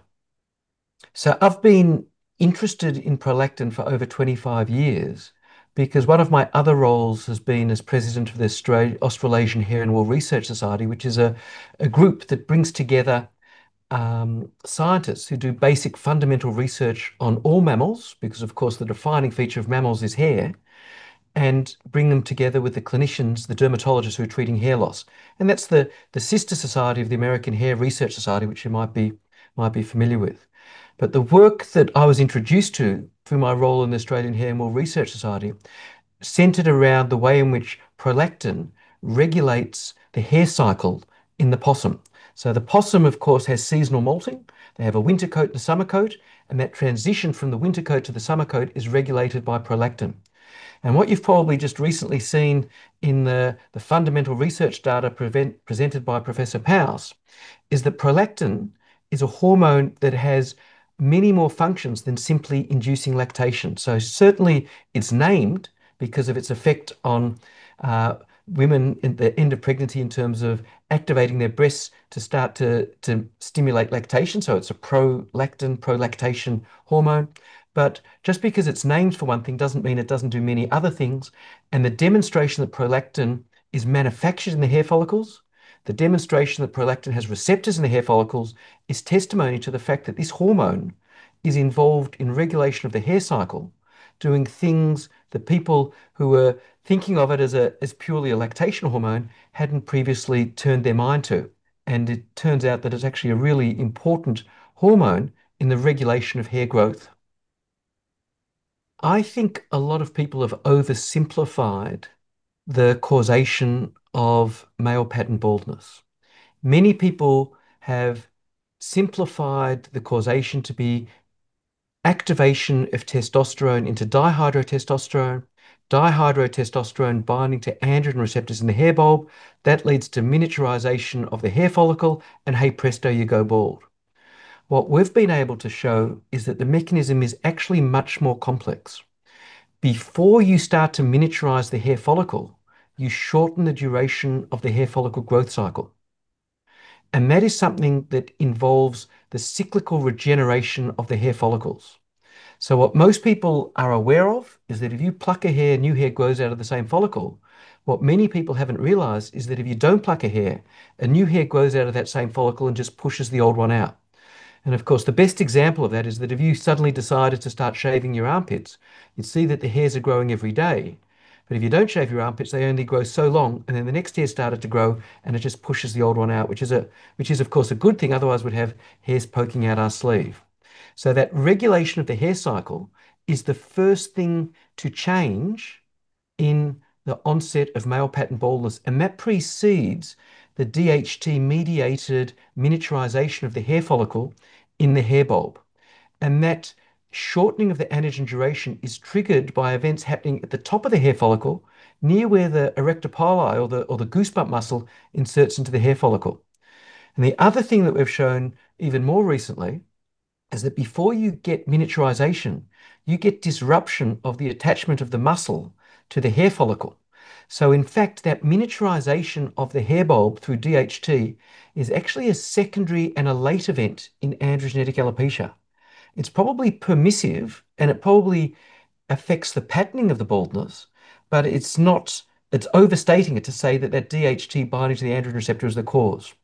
So I've been interested in prolactin for over 25 years because one of my other roles has been as president of the Australasian Hair and Wool Research Society, which is a group that brings together scientists who do basic fundamental research on all mammals because, of course, the defining feature of mammals is hair, and bring them together with the clinicians, the dermatologists who are treating hair loss. That's the sister society of the American Hair Research Society, which you might be familiar with. The work that I was introduced to through my role in the Australasian Hair and Wool Research Society centered around the way in which prolactin regulates the hair cycle in the possum. The possum, of course, has seasonal molting. They have a winter coat and a summer coat, and that transition from the winter coat to the summer coat is regulated by prolactin. What you've probably just recently seen in the fundamental research data presented by Professor Paus is that prolactin is a hormone that has many more functions than simply inducing lactation. Certainly it's named because of its effect on women at the end of pregnancy in terms of activating their breasts to start to stimulate lactation. It's a prolactin, prolactation hormone. But just because it's named for one thing doesn't mean it doesn't do many other things. And the demonstration that prolactin is manufactured in the hair follicles, the demonstration that prolactin has receptors in the hair follicles is testimony to the fact that this hormone is involved in regulation of the hair cycle, doing things that people who were thinking of it as purely a lactation hormone hadn't previously turned their mind to. And it turns out that it's actually a really important hormone in the regulation of hair growth. I think a lot of people have oversimplified the causation of male pattern baldness. Many people have simplified the causation to be activation of testosterone into dihydrotestosterone, dihydrotestosterone binding to androgen receptors in the hair bulb. That leads to miniaturization of the hair follicle and hey presto, you go bald. What we've been able to show is that the mechanism is actually much more complex. Before you start to miniaturize the hair follicle, you shorten the duration of the hair follicle growth cycle. And that is something that involves the cyclical regeneration of the hair follicles. So what most people are aware of is that if you pluck a hair, new hair grows out of the same follicle. What many people haven't realized is that if you don't pluck a hair, a new hair grows out of that same follicle and just pushes the old one out. And of course, the best example of that is that if you suddenly decided to start shaving your armpits, you'd see that the hairs are growing every day. But if you don't shave your armpits, they only grow so long, and then the next hair starts to grow and it just pushes the old one out, which is, of course, a good thing. Otherwise, we'd have hairs poking out of our sleeves. So that regulation of the hair cycle is the first thing to change in the onset of male pattern baldness, and that precedes the DHT-mediated miniaturization of the hair follicle in the hair bulb. And that shortening of the anagen duration is triggered by events happening at the top of the hair follicle, near where the arrector pili or the goosebump muscle inserts into the hair follicle. And the other thing that we've shown even more recently is that before you get miniaturization, you get disruption of the attachment of the muscle to the hair follicle. So in fact, that miniaturization of the hair bulb through DHT is actually a secondary and a late event in androgenetic alopecia. It's probably permissive, and it probably affects the patterning of the baldness, but it's not. It's overstating it to say that that DHT binding to the androgen receptor is the cause.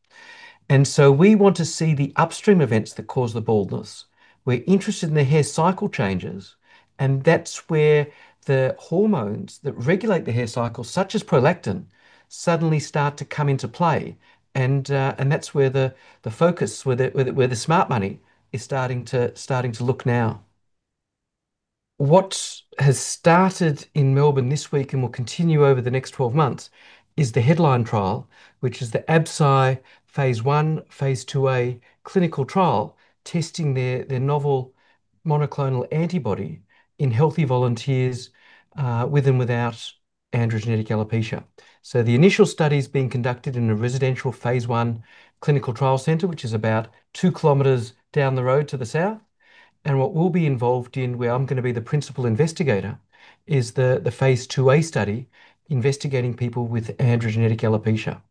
We want to see the upstream events that cause the baldness. We're interested in the hair cycle changes, and that's where the hormones that regulate the hair cycle, such as prolactin, suddenly start to come into play. That's where the focus, where the smart money is starting to look now. What has started in Melbourne this week and will continue over the next 12 months is the headline trial, which is the Absci phase I, phase 2a clinical trial testing their novel monoclonal antibody in healthy volunteers with and without androgenetic alopecia. The initial study is being conducted in a residential phase I clinical trial center, which is about two kilometers down the road to the south. What we'll be involved in, where I'm going to be the principal investigator, is the phase 2a study investigating people with androgenetic alopecia.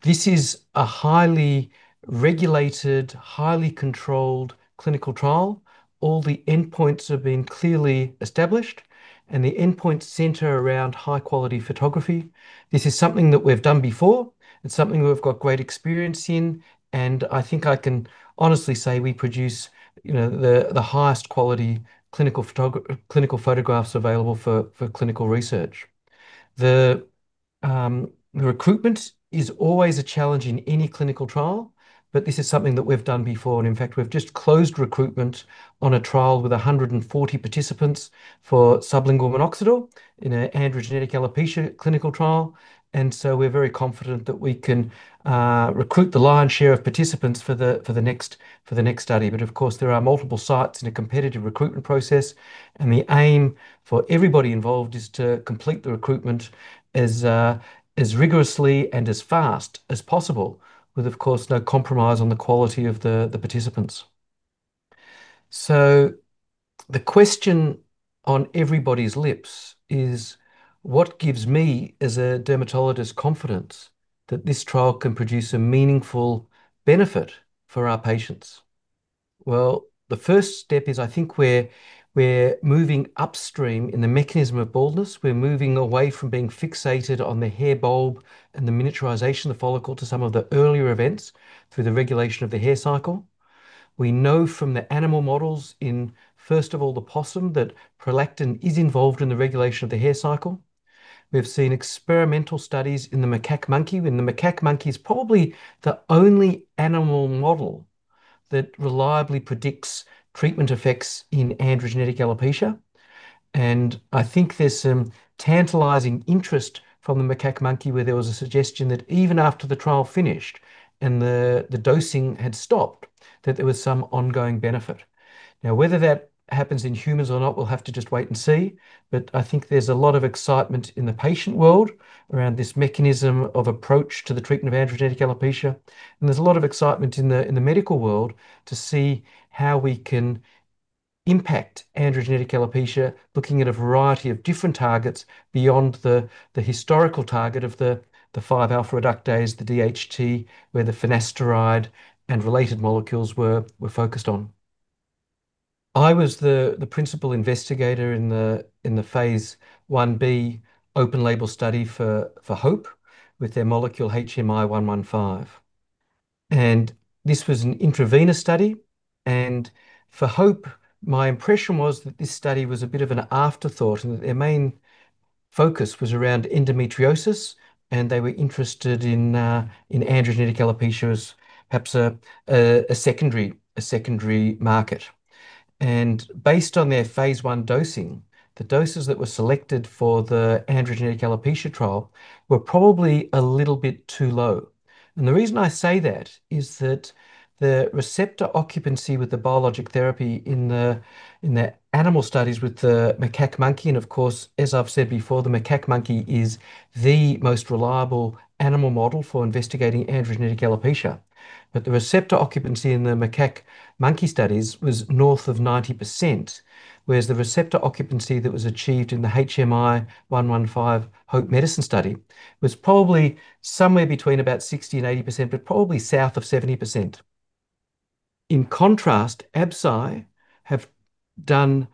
This is a highly regulated, highly controlled clinical trial. All the endpoints have been clearly established, and the endpoints center around high-quality photography. This is something that we've done before. It's something we've got great experience in. I think I can honestly say we produce the highest quality clinical photographs available for clinical research. The recruitment is always a challenge in any clinical trial, but this is something that we've done before. In fact, we've just closed recruitment on a trial with 140 participants for sublingual minoxidil in an androgenetic alopecia clinical trial. And so we're very confident that we can recruit the lion's share of participants for the next study. But of course, there are multiple sites in a competitive recruitment process, and the aim for everybody involved is to complete the recruitment as rigorously and as fast as possible, with, of course, no compromise on the quality of the participants. So the question on everybody's lips is, what gives me as a dermatologist confidence that this trial can produce a meaningful benefit for our patients? Well, the first step is I think we're moving upstream in the mechanism of baldness. We're moving away from being fixated on the hair bulb and the miniaturization of the follicle to some of the earlier events through the regulation of the hair cycle. We know from the animal models in, first of all, the possum that prolactin is involved in the regulation of the hair cycle. We've seen experimental studies in the macaque monkey, and the macaque monkey is probably the only animal model that reliably predicts treatment effects in androgenetic alopecia, and I think there's some tantalizing interest from the macaque monkey where there was a suggestion that even after the trial finished and the dosing had stopped, that there was some ongoing benefit. Now, whether that happens in humans or not, we'll have to just wait and see, but I think there's a lot of excitement in the patient world around this mechanism of approach to the treatment of androgenetic alopecia. There's a lot of excitement in the medical world to see how we can impact androgenetic alopecia, looking at a variety of different targets beyond the historical target of the 5-alpha reductase, the DHT, where the finasteride and related molecules were focused on. I was the principal investigator in the phase 1b open label study for Hope with their molecule HMI-115. And this was an intravenous study. And for Hope, my impression was that this study was a bit of an afterthought and that their main focus was around endometriosis, and they were interested in androgenetic alopecia as perhaps a secondary market. And based on their phase I dosing, the doses that were selected for the androgenetic alopecia trial were probably a little bit too low. And the reason I say that is that the receptor occupancy with the biologic therapy in the animal studies with the macaque monkey, and of course, as I've said before, the macaque monkey is the most reliable animal model for investigating androgenetic alopecia. But the receptor occupancy in the macaque monkey studies was north of 90%, whereas the receptor occupancy that was achieved in the HMI-115 Hope Medicine study was probably somewhere between about 60%-80%, but probably south of 70%. In contrast, Absci have done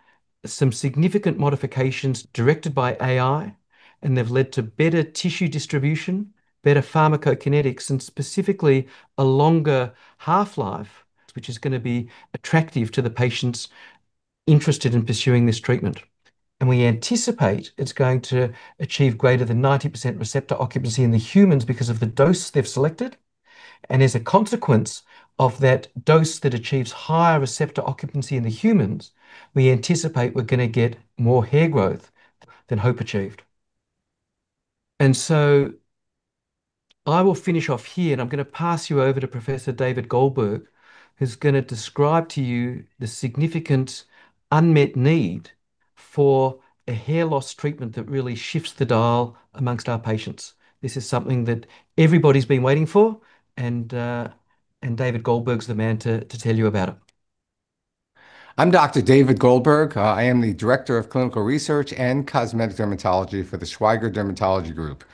some significant modifications directed by AI, and they've led to better tissue distribution, better pharmacokinetics, and specifically a longer half-life, which is going to be attractive to the patients interested in pursuing this treatment. And we anticipate it's going to achieve greater than 90% receptor occupancy in the humans because of the dose they've selected. As a consequence of that dose that achieves higher receptor occupancy in the humans, we anticipate we're going to get more hair growth than Hope achieved. So I will finish off here, and I'm going to pass you over to Professor David Goldberg, who's going to describe to you the significant unmet need for a hair loss treatment that really shifts the dial amongst our patients. This is something that everybody's been waiting for, and David Goldberg's the man to tell you about it. I'm Dr. David Goldberg. I am the director of clinical research and cosmetic dermatology for the Schweiger Dermatology Group.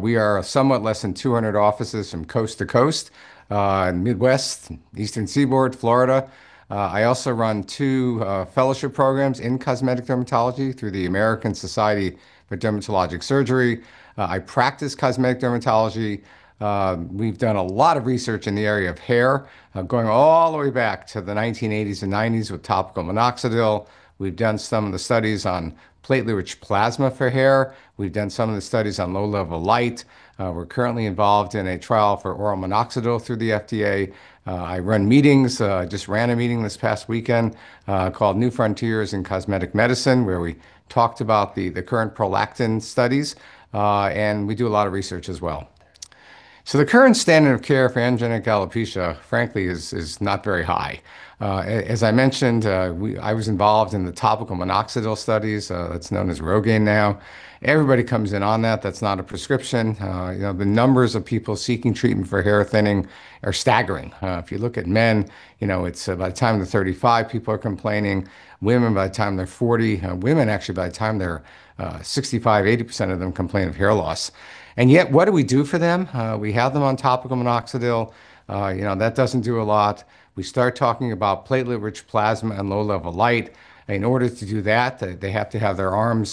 We are somewhat less than 200 offices from coast to coast, Midwest, Eastern Seaboard, Florida. I also run two fellowship programs in cosmetic dermatology through the American Society for Dermatologic Surgery. I practice cosmetic dermatology. We've done a lot of research in the area of hair, going all the way back to the 1980s and '90s with topical minoxidil. We've done some of the studies on platelet-rich plasma for hair. We've done some of the studies on low-level light. We're currently involved in a trial for oral minoxidil through the FDA. I run meetings. I just ran a meeting this past weekend called New Frontiers in Cosmetic Medicine, where we talked about the current prolactin studies, and we do a lot of research as well. So the current standard of care for androgenetic alopecia, frankly, is not very high. As I mentioned, I was involved in the topical minoxidil studies. That's known as Rogaine now. Everybody comes in on that. That's not a prescription. The numbers of people seeking treatment for hair thinning are staggering. If you look at men, by the time they're 35, people are complaining. Women, by the time they're 40, women actually, by the time they're 65%, 80% of them complain of hair loss. And yet, what do we do for them? We have them on topical minoxidil. That doesn't do a lot. We start talking about platelet-rich plasma and low-level light. In order to do that, they have to have their blood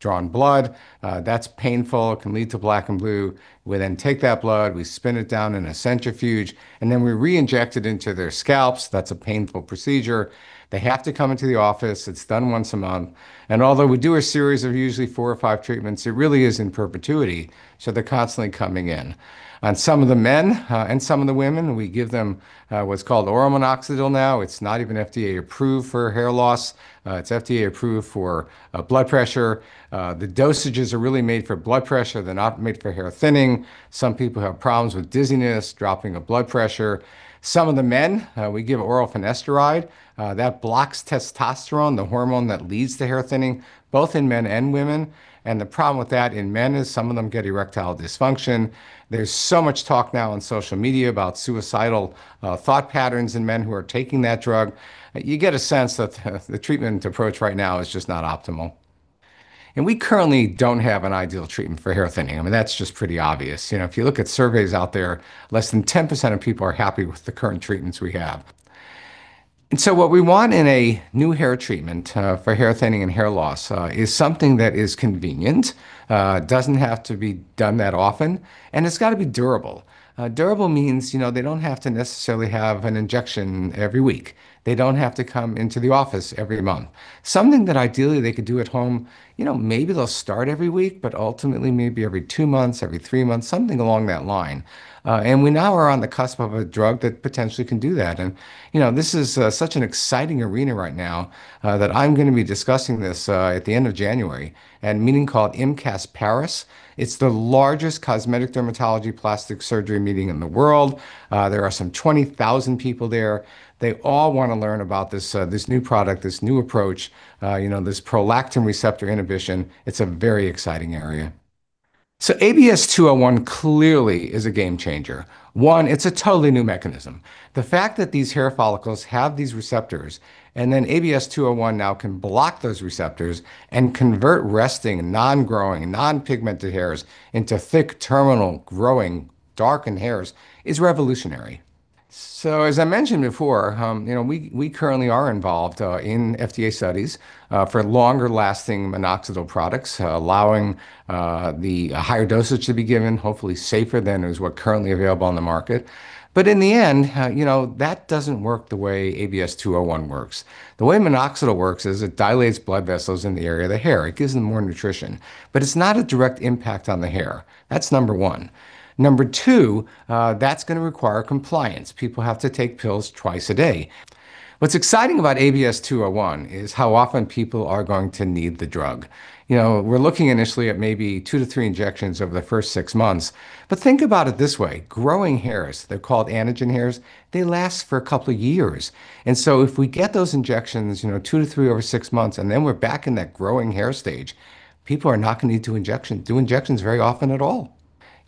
drawn from their arms. That's painful. It can lead to black and blue. We then take that blood. We spin it down in a centrifuge, and then we re-inject it into their scalps. That's a painful procedure. They have to come into the office. It's done once a month. And although we do a series of usually four or five treatments, it really is in perpetuity. So they're constantly coming in. On some of the men and some of the women, we give them what's called oral minoxidil now. It's not even FDA approved for hair loss. It's FDA approved for blood pressure. The dosages are really made for blood pressure. They're not made for hair thinning. Some people have problems with dizziness, dropping of blood pressure. Some of the men, we give oral finasteride. That blocks testosterone, the hormone that leads to hair thinning, both in men and women, and the problem with that in men is some of them get erectile dysfunction. There's so much talk now on social media about suicidal thought patterns in men who are taking that drug. You get a sense that the treatment approach right now is just not optimal, and we currently don't have an ideal treatment for hair thinning. I mean, that's just pretty obvious. If you look at surveys out there, less than 10% of people are happy with the current treatments we have. And so what we want in a new hair treatment for hair thinning and hair loss is something that is convenient, doesn't have to be done that often, and it's got to be durable. Durable means they don't have to necessarily have an injection every week. They don't have to come into the office every month. Something that ideally they could do at home, maybe they'll start every week, but ultimately maybe every two months, every three months, something along that line. And we now are on the cusp of a drug that potentially can do that. And this is such an exciting arena right now that I'm going to be discussing this at the end of January, at a meeting called IMCAS Paris. It's the largest cosmetic dermatology plastic surgery meeting in the world. There are some 20,000 people there. They all want to learn about this new product, this new approach, this prolactin receptor inhibition. It's a very exciting area. So ABS-201 clearly is a game changer. One, it's a totally new mechanism. The fact that these hair follicles have these receptors, and then ABS-201 now can block those receptors and convert resting, non-growing, non-pigmented hairs into thick, terminal, growing, darkened hairs is revolutionary. So as I mentioned before, we currently are involved in FDA studies for longer-lasting minoxidil products, allowing the higher dosage to be given, hopefully safer than is what currently available on the market. But in the end, that doesn't work the way ABS-201 works. The way minoxidil works is it dilates blood vessels in the area of the hair. It gives them more nutrition, but it's not a direct impact on the hair. That's number one. Number two, that's going to require compliance. People have to take pills twice a day. What's exciting about ABS-201 is how often people are going to need the drug. We're looking initially at maybe two to three injections over the first six months. But think about it this way. Growing hairs, they're called anagen hairs. They last for a couple of years. And so if we get those injections two to three over six months, and then we're back in that growing hair stage, people are not going to need to do injections very often at all.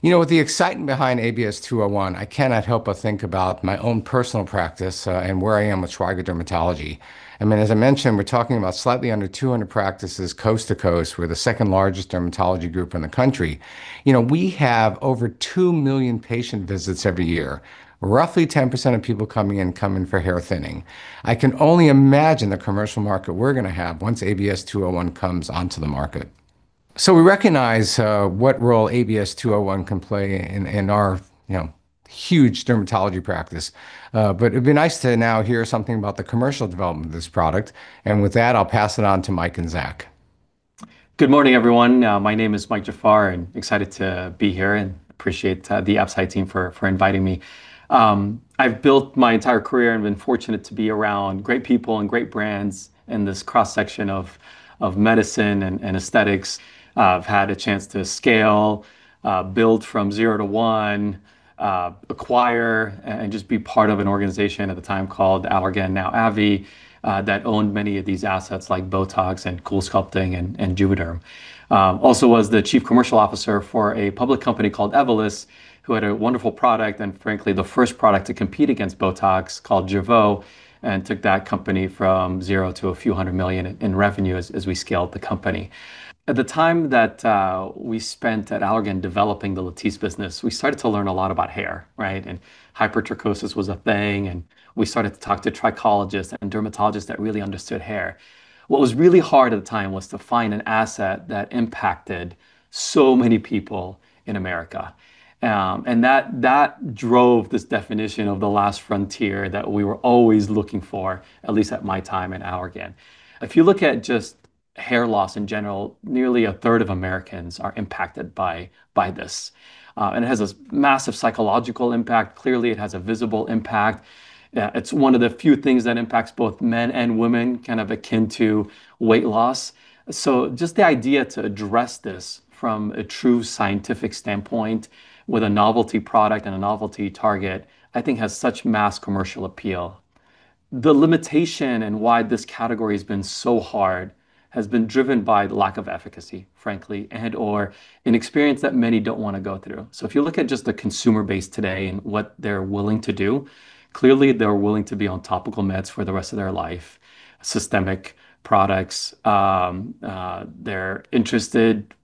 With the excitement behind ABS-201, I cannot help but think about my own personal practice and where I am with Schweiger Dermatology. I mean, as I mentioned, we're talking about slightly under 200 practices coast to coast. We're the second largest dermatology group in the country. We have over two million patient visits every year. Roughly 10% of people coming in come in for hair thinning. I can only imagine the commercial market we're going to have once ABS-201 comes onto the market. So we recognize what role ABS-201 can play in our huge dermatology practice. But it'd be nice to now hear something about the commercial development of this product. With that, I'll pass it on to Mike and Zach. Good morning, everyone. My name is Mike Jafar. I'm excited to be here and appreciate the Absci team for inviting me. I've built my entire career and been fortunate to be around great people and great brands in this cross-section of medicine and aesthetics. I've had a chance to scale, build from zero to one, acquire, and just be part of an organization at the time called Allergan, now AbbVie, that owned many of these assets like Botox and CoolSculpting and Juvéderm. Also was the chief commercial officer for a public company called Evolus, who had a wonderful product and, frankly, the first product to compete against Botox called Jeuveau, and took that company from zero to a few hundred million in revenue as we scaled the company. At the time that we spent at Allergan developing the Latisse business, we started to learn a lot about hair, right, and hypertrichosis was a thing, and we started to talk to trichologists and dermatologists that really understood hair. What was really hard at the time was to find an asset that impacted so many people in America. And that drove this definition of the last frontier that we were always looking for, at least at my time at Allergan. If you look at just hair loss in general, nearly a third of Americans are impacted by this. And it has a massive psychological impact. Clearly, it has a visible impact. It's one of the few things that impacts both men and women, kind of akin to weight loss. So just the idea to address this from a true scientific standpoint with a novelty product and a novelty target, I think has such mass commercial appeal. The limitation and why this category has been so hard has been driven by the lack of efficacy, frankly, and/or an experience that many don't want to go through. So if you look at just the consumer base today and what they're willing to do, clearly they're willing to be on topical meds for the rest of their life, systemic products. They're interested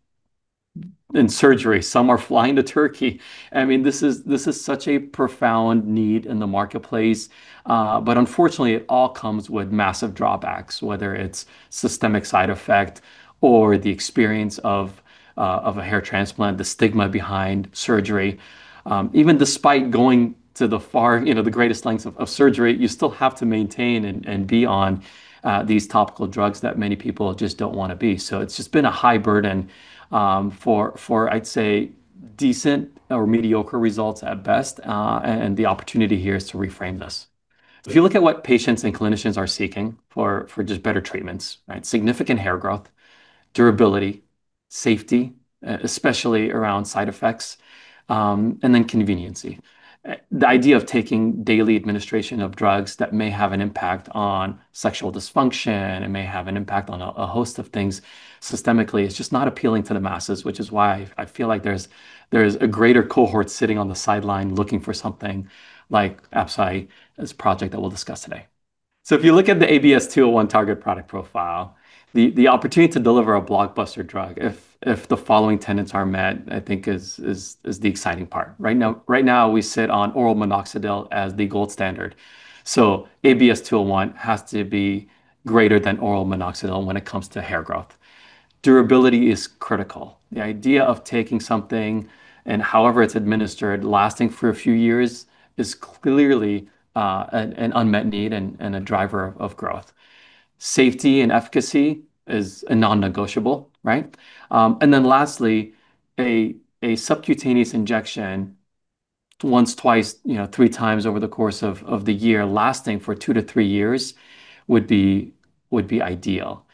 in surgery. Some are flying to Turkey. I mean, this is such a profound need in the marketplace. But unfortunately, it all comes with massive drawbacks, whether it's systemic side effect or the experience of a hair transplant, the stigma behind surgery. Even despite going to the greatest lengths of surgery, you still have to maintain and be on these topical drugs that many people just don't want to be. So it's just been a high burden for, I'd say, decent or mediocre results at best. And the opportunity here is to reframe this. If you look at what patients and clinicians are seeking for just better treatments, significant hair growth, durability, safety, especially around side effects, and then convenience. The idea of taking daily administration of drugs that may have an impact on sexual dysfunction and may have an impact on a host of things systemically is just not appealing to the masses, which is why I feel like there's a greater cohort sitting on the sidelines looking for something like Absci as a project that we'll discuss today. So if you look at the ABS-201 target product profile, the opportunity to deliver a blockbuster drug, if the following tenets are met, I think is the exciting part. Right now, we sit on oral minoxidil as the gold standard. So ABS-201 has to be greater than oral minoxidil when it comes to hair growth. Durability is critical. The idea of taking something and however it's administered, lasting for a few years, is clearly an unmet need and a driver of growth. Safety and efficacy is non-negotiable, right? And then lastly, a subcutaneous injection once, twice, three times over the course of the year, lasting for two to three years would be ideal.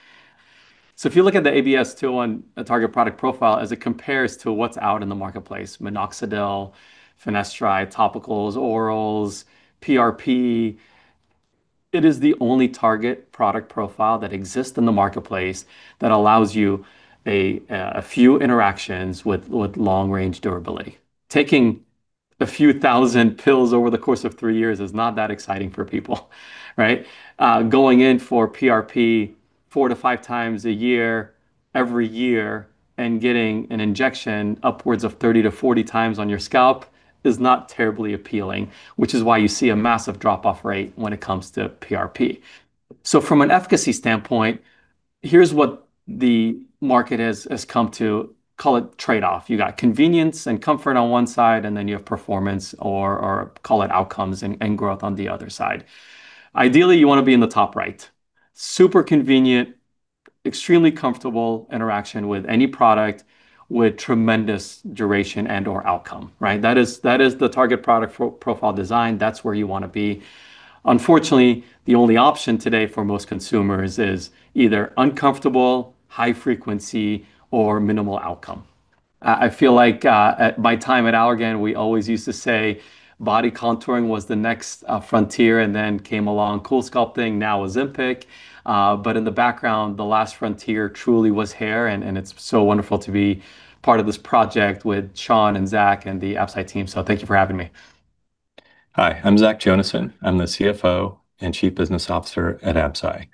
So if you look at the ABS-201 target product profile as it compares to what's out in the marketplace, minoxidil, finasteride, topicals, orals, PRP, it is the only target product profile that exists in the marketplace that allows you a few interactions with long-range durability. Taking a few thousand pills over the course of three years is not that exciting for people, right? Going in for PRP 4x-5x a year, every year, and getting an injection upwards of 30x-40x on your scalp is not terribly appealing, which is why you see a massive drop-off rate when it comes to PRP. So from an efficacy standpoint, here's what the market has come to call it trade-off. You got convenience and comfort on one side, and then you have performance or call it outcomes and growth on the other side. Ideally, you want to be in the top right. Super convenient, extremely comfortable interaction with any product with tremendous duration and/or outcome, right? That is the target product profile design. That's where you want to be. Unfortunately, the only option today for most consumers is either uncomfortable, high-frequency, or minimal outcome. I feel like at my time at Allergan, we always used to say body contouring was the next frontier and then came along CoolSculpting, now Ozempic. But in the background, the last frontier truly was hair. And it's so wonderful to be part of this project with Sean and Zach and the Absci team. So thank you for having me. Hi, I'm Zach Jonasson. I'm the CFO and Chief Business Officer at Absci.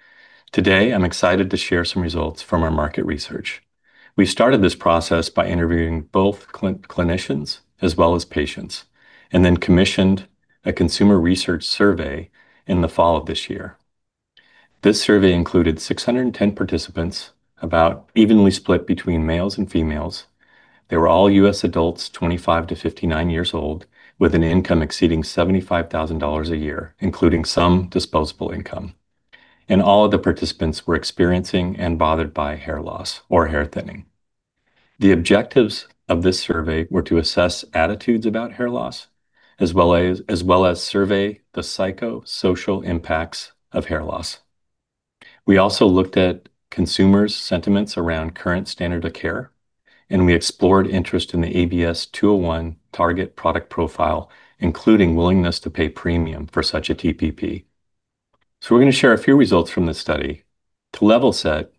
Today, I'm excited to share some results from our market research. We started this process by interviewing both clinicians as well as patients and then commissioned a consumer research survey in the fall of this year. This survey included 610 participants, about evenly split between males and females. They were all U.S. adults, 25 years-59 years old, with an income exceeding $75,000 a year, including some disposable income. All of the participants were experiencing and bothered by hair loss or hair thinning. The objectives of this survey were to assess attitudes about hair loss as well as survey the psychosocial impacts of hair loss. We also looked at consumers' sentiments around current standard of care. We explored interest in the ABS-201 target product profile, including willingness to pay premium for such a TPP. We're going to share a few results from this study. To level set,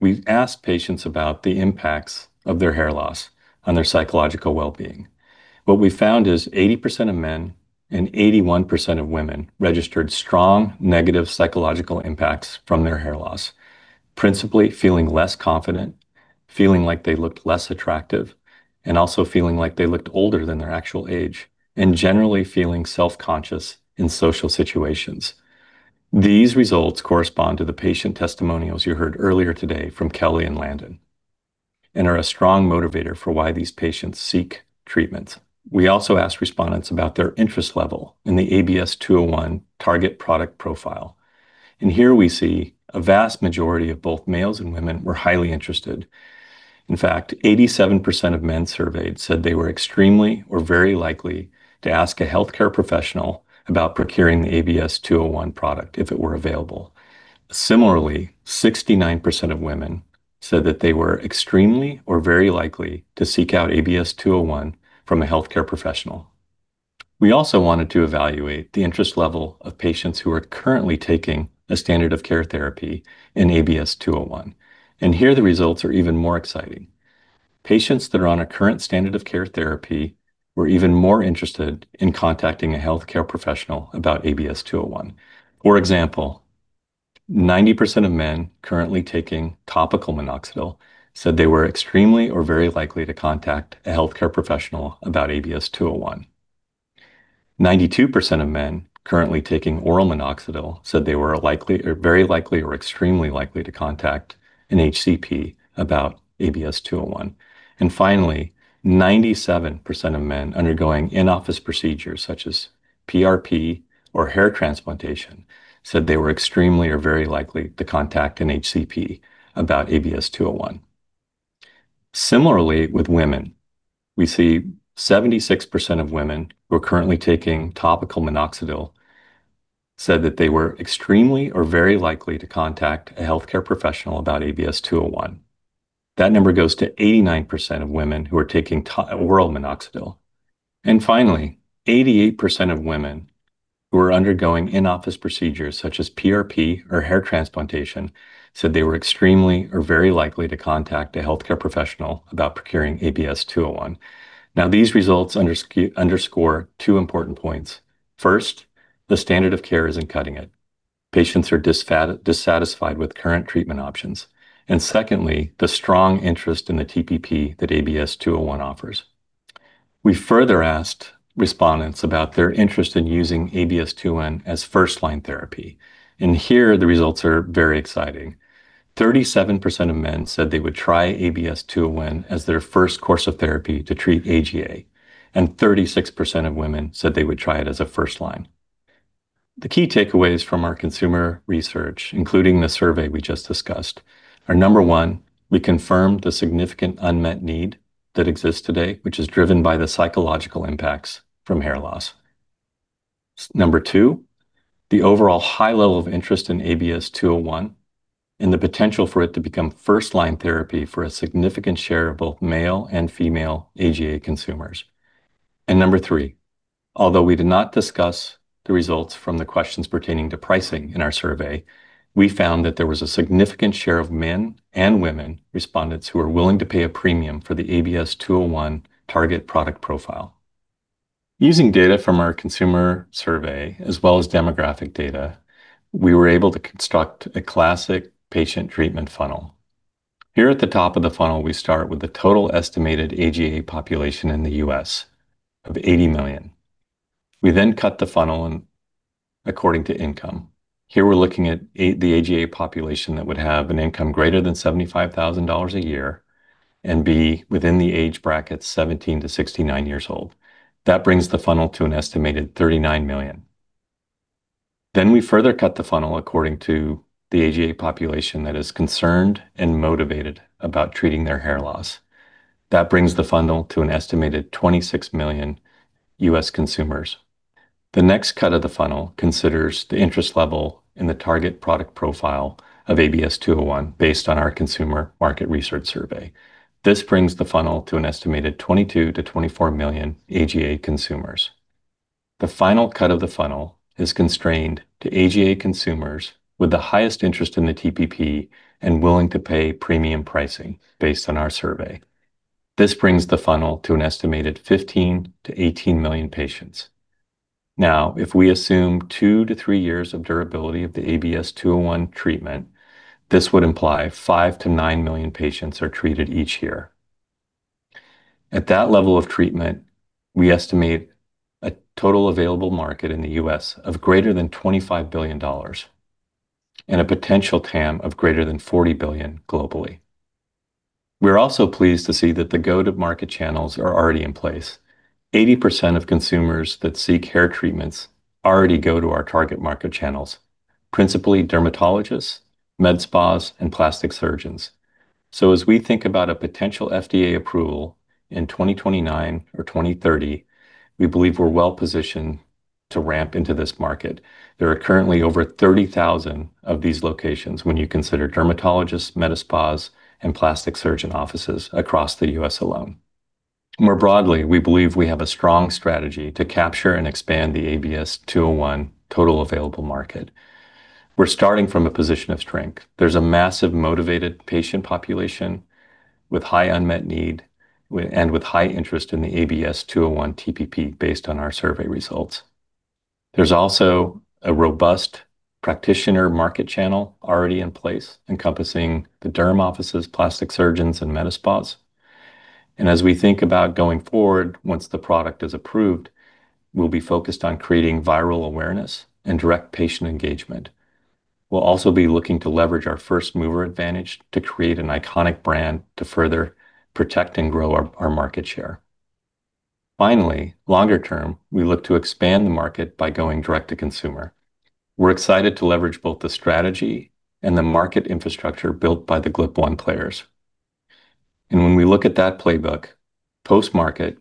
we asked patients about the impacts of their hair loss on their psychological well-being. What we found is 80% of men and 81% of women registered strong negative psychological impacts from their hair loss, principally feeling less confident, feeling like they looked less attractive, and also feeling like they looked older than their actual age, and generally feeling self-conscious in social situations. These results correspond to the patient testimonials you heard earlier today from Kelly and Landon and are a strong motivator for why these patients seek treatment. We also asked respondents about their interest level in the ABS-201 target product profile. And here we see a vast majority of both males and women were highly interested. In fact, 87% of men surveyed said they were extremely or very likely to ask a healthcare professional about procuring the ABS-201 product if it were available. Similarly, 69% of women said that they were extremely or very likely to seek out ABS-201 from a healthcare professional. We also wanted to evaluate the interest level of patients who are currently taking a standard of care therapy in ABS-201. And here the results are even more exciting. Patients that are on a current standard of care therapy were even more interested in contacting a healthcare professional about ABS-201. For example, 90% of men currently taking topical minoxidil said they were extremely or very likely to contact a healthcare professional about ABS-201. 92% of men currently taking oral minoxidil said they were very likely or extremely likely to contact an HCP about ABS-201. And finally, 97% of men undergoing in-office procedures such as PRP or hair transplantation said they were extremely or very likely to contact an HCP about ABS-201. Similarly, with women, we see 76% of women who are currently taking topical minoxidil said that they were extremely or very likely to contact a healthcare professional about ABS-201. That number goes to 89% of women who are taking oral minoxidil. And finally, 88% of women who are undergoing in-office procedures such as PRP or hair transplantation said they were extremely or very likely to contact a healthcare professional about procuring ABS-201. Now, these results underscore two important points. First, the standard of care isn't cutting it. Patients are dissatisfied with current treatment options. And secondly, the strong interest in the TPP that ABS-201 offers. We further asked respondents about their interest in using ABS-201 as first-line therapy. And here, the results are very exciting. 37% of men said they would try ABS-201 as their first course of therapy to treat AGA. And 36% of women said they would try it as a first-line. The key takeaways from our consumer research, including the survey we just discussed, are number one, we confirmed the significant unmet need that exists today, which is driven by the psychological impacts from hair loss. Number two, the overall high level of interest in ABS-201 and the potential for it to become first-line therapy for a significant share of both male and female AGA consumers, and number three, although we did not discuss the results from the questions pertaining to pricing in our survey, we found that there was a significant share of men and women respondents who were willing to pay a premium for the ABS-201 target product profile. Using data from our consumer survey, as well as demographic data, we were able to construct a classic patient treatment funnel. Here at the top of the funnel, we start with the total estimated AGA population in the U.S. of 80 million. We then cut the funnel according to income. Here, we're looking at the AGA population that would have an income greater than $75,000 a year and be within the age bracket 17 years-69 years old. That brings the funnel to an estimated 39 million. Then we further cut the funnel according to the AGA population that is concerned and motivated about treating their hair loss. That brings the funnel to an estimated 26 million U.S. consumers. The next cut of the funnel considers the interest level in the target product profile of ABS-201 based on our consumer market research survey. This brings the funnel to an estimated 22 million-24 million AGA consumers. The final cut of the funnel is constrained to AGA consumers with the highest interest in the TPP and willing to pay premium pricing based on our survey. This brings the funnel to an estimated 15 million-18 million patients. Now, if we assume two to three years of durability of the ABS-201 treatment, this would imply five million-nine million patients are treated each year. At that level of treatment, we estimate a total available market in the U.S. of greater than $25 billion and a potential TAM of greater than $40 billion globally. We're also pleased to see that the go-to-market channels are already in place. 80% of consumers that seek hair treatments already go to our target market channels, principally dermatologists, med spas, and plastic surgeons. So as we think about a potential FDA approval in 2029 or 2030, we believe we're well-positioned to ramp into this market. There are currently over 30,000 of these locations when you consider dermatologists, med spas, and plastic surgeon offices across the U.S. alone. More broadly, we believe we have a strong strategy to capture and expand the ABS-201 total available market. We're starting from a position of strength. There's a massive motivated patient population with high unmet need and with high interest in the ABS-201 TPP based on our survey results. There's also a robust practitioner market channel already in place, encompassing the derm offices, plastic surgeons, and med spas, and as we think about going forward, once the product is approved, we'll be focused on creating viral awareness and direct patient engagement. We'll also be looking to leverage our first-mover advantage to create an iconic brand to further protect and grow our market share. Finally, longer term, we look to expand the market by going direct to consumer. We're excited to leverage both the strategy and the market infrastructure built by the GLP-1 players. And when we look at that playbook, post-market,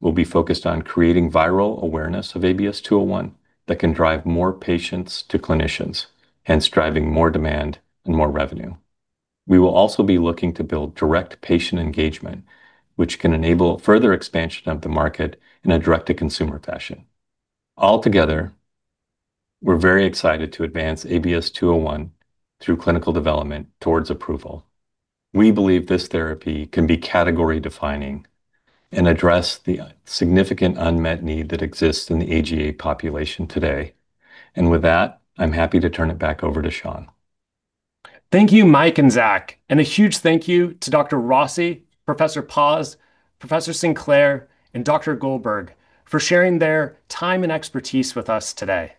we'll be focused on creating viral awareness of ABS-201 that can drive more patients to clinicians, hence driving more demand and more revenue. We will also be looking to build direct patient engagement, which can enable further expansion of the market in a direct-to-consumer fashion. Altogether, we're very excited to advance ABS-201 through clinical development towards approval. We believe this therapy can be category-defining and address the significant unmet need that exists in the AGA population today. And with that, I'm happy to turn it back over to Sean. Thank you, Mike and Zach. And a huge thank you to Dr. Rossi, Professor Paus, Professor Sinclair, and Dr. Goldberg for sharing their time and expertise with us today.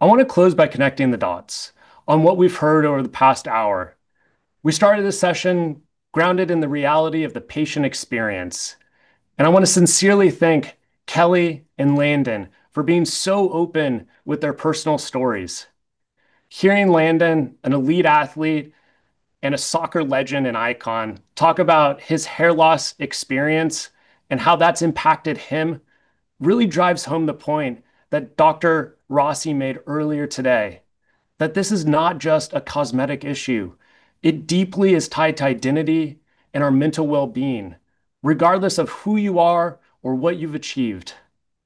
I want to close by connecting the dots on what we've heard over the past hour. We started this session grounded in the reality of the patient experience. And I want to sincerely thank Kelly and Landon for being so open with their personal stories. Hearing Landon, an elite athlete and a soccer legend and icon, talk about his hair loss experience and how that's impacted him really drives home the point that Dr. Rossi made earlier today, that this is not just a cosmetic issue. It deeply is tied to identity and our mental well-being, regardless of who you are or what you've achieved.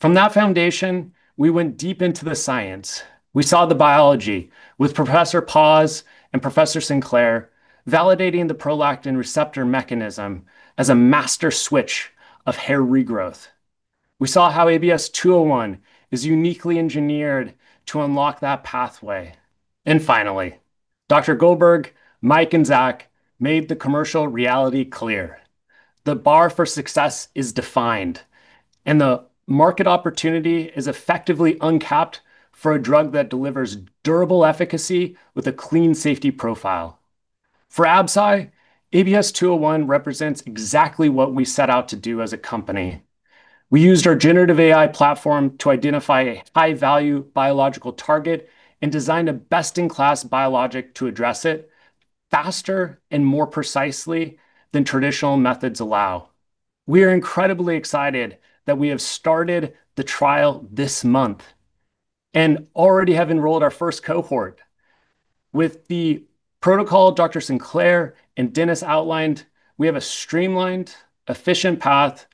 From that foundation, we went deep into the science. We saw the biology with Professor Paus and Professor Sinclair validating the prolactin receptor mechanism as a master switch of hair regrowth. We saw how ABS-201 is uniquely engineered to unlock that pathway. And finally, Dr. Goldberg, Mike, and Zach made the commercial reality clear. The bar for success is defined, and the market opportunity is effectively uncapped for a drug that delivers durable efficacy with a clean safety profile. For Absci, ABS-201 represents exactly what we set out to do as a company. We used our generative AI platform to identify a high-value biological target and designed a best-in-class biologic to address it faster and more precisely than traditional methods allow. We are incredibly excited that we have started the trial this month and already have enrolled our first cohort. With the protocol Dr. Sinclair and Denis outlined, we have a streamlined, efficient path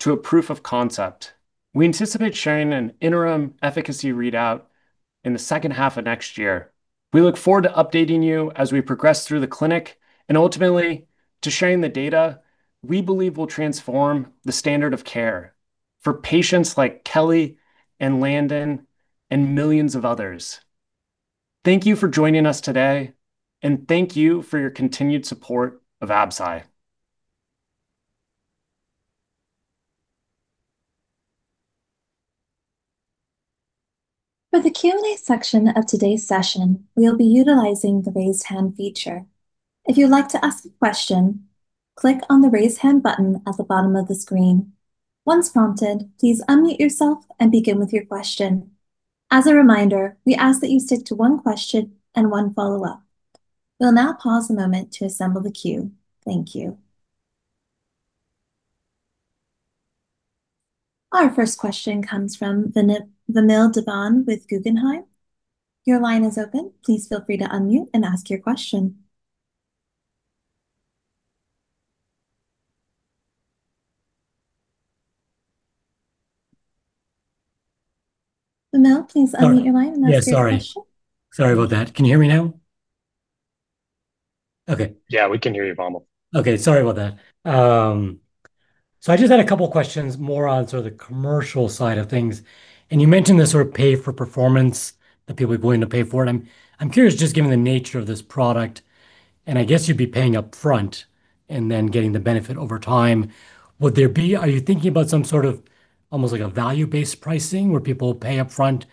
to a proof of concept. We anticipate sharing an interim efficacy readout in the second half of next year. We look forward to updating you as we progress through the clinic and ultimately to sharing the data we believe will transform the standard of care for patients like Kelly and Landon and millions of others. Thank you for joining us today, and thank you for your continued support of Absci. For the Q&A section of today's session, we'll be utilizing the raise hand feature. If you'd like to ask a question, click on the raise hand button at the bottom of the screen. Once prompted, please unmute yourself and begin with your question. As a reminder, we ask that you stick to one question and one follow-up. We'll now pause a moment to assemble the queue. Thank you. Our first question comes from Vamil Divan with Guggenheim. Your line is open. Please feel free to unmute and ask your question. Vamil, please unmute your line. Yeah, sorry. Sorry about that. Can you hear me now? Okay. Yeah, we can hear you fine. Okay, sorry about that. So I just had a couple of questions more on sort of the commercial side of things. And you mentioned this sort of pay-for-performance that people would be willing to pay for it. I'm curious, just given the nature of this product, and I guess you'd be paying upfront and then getting the benefit over time. Are you thinking about some sort of almost like a value-based pricing where people pay upfront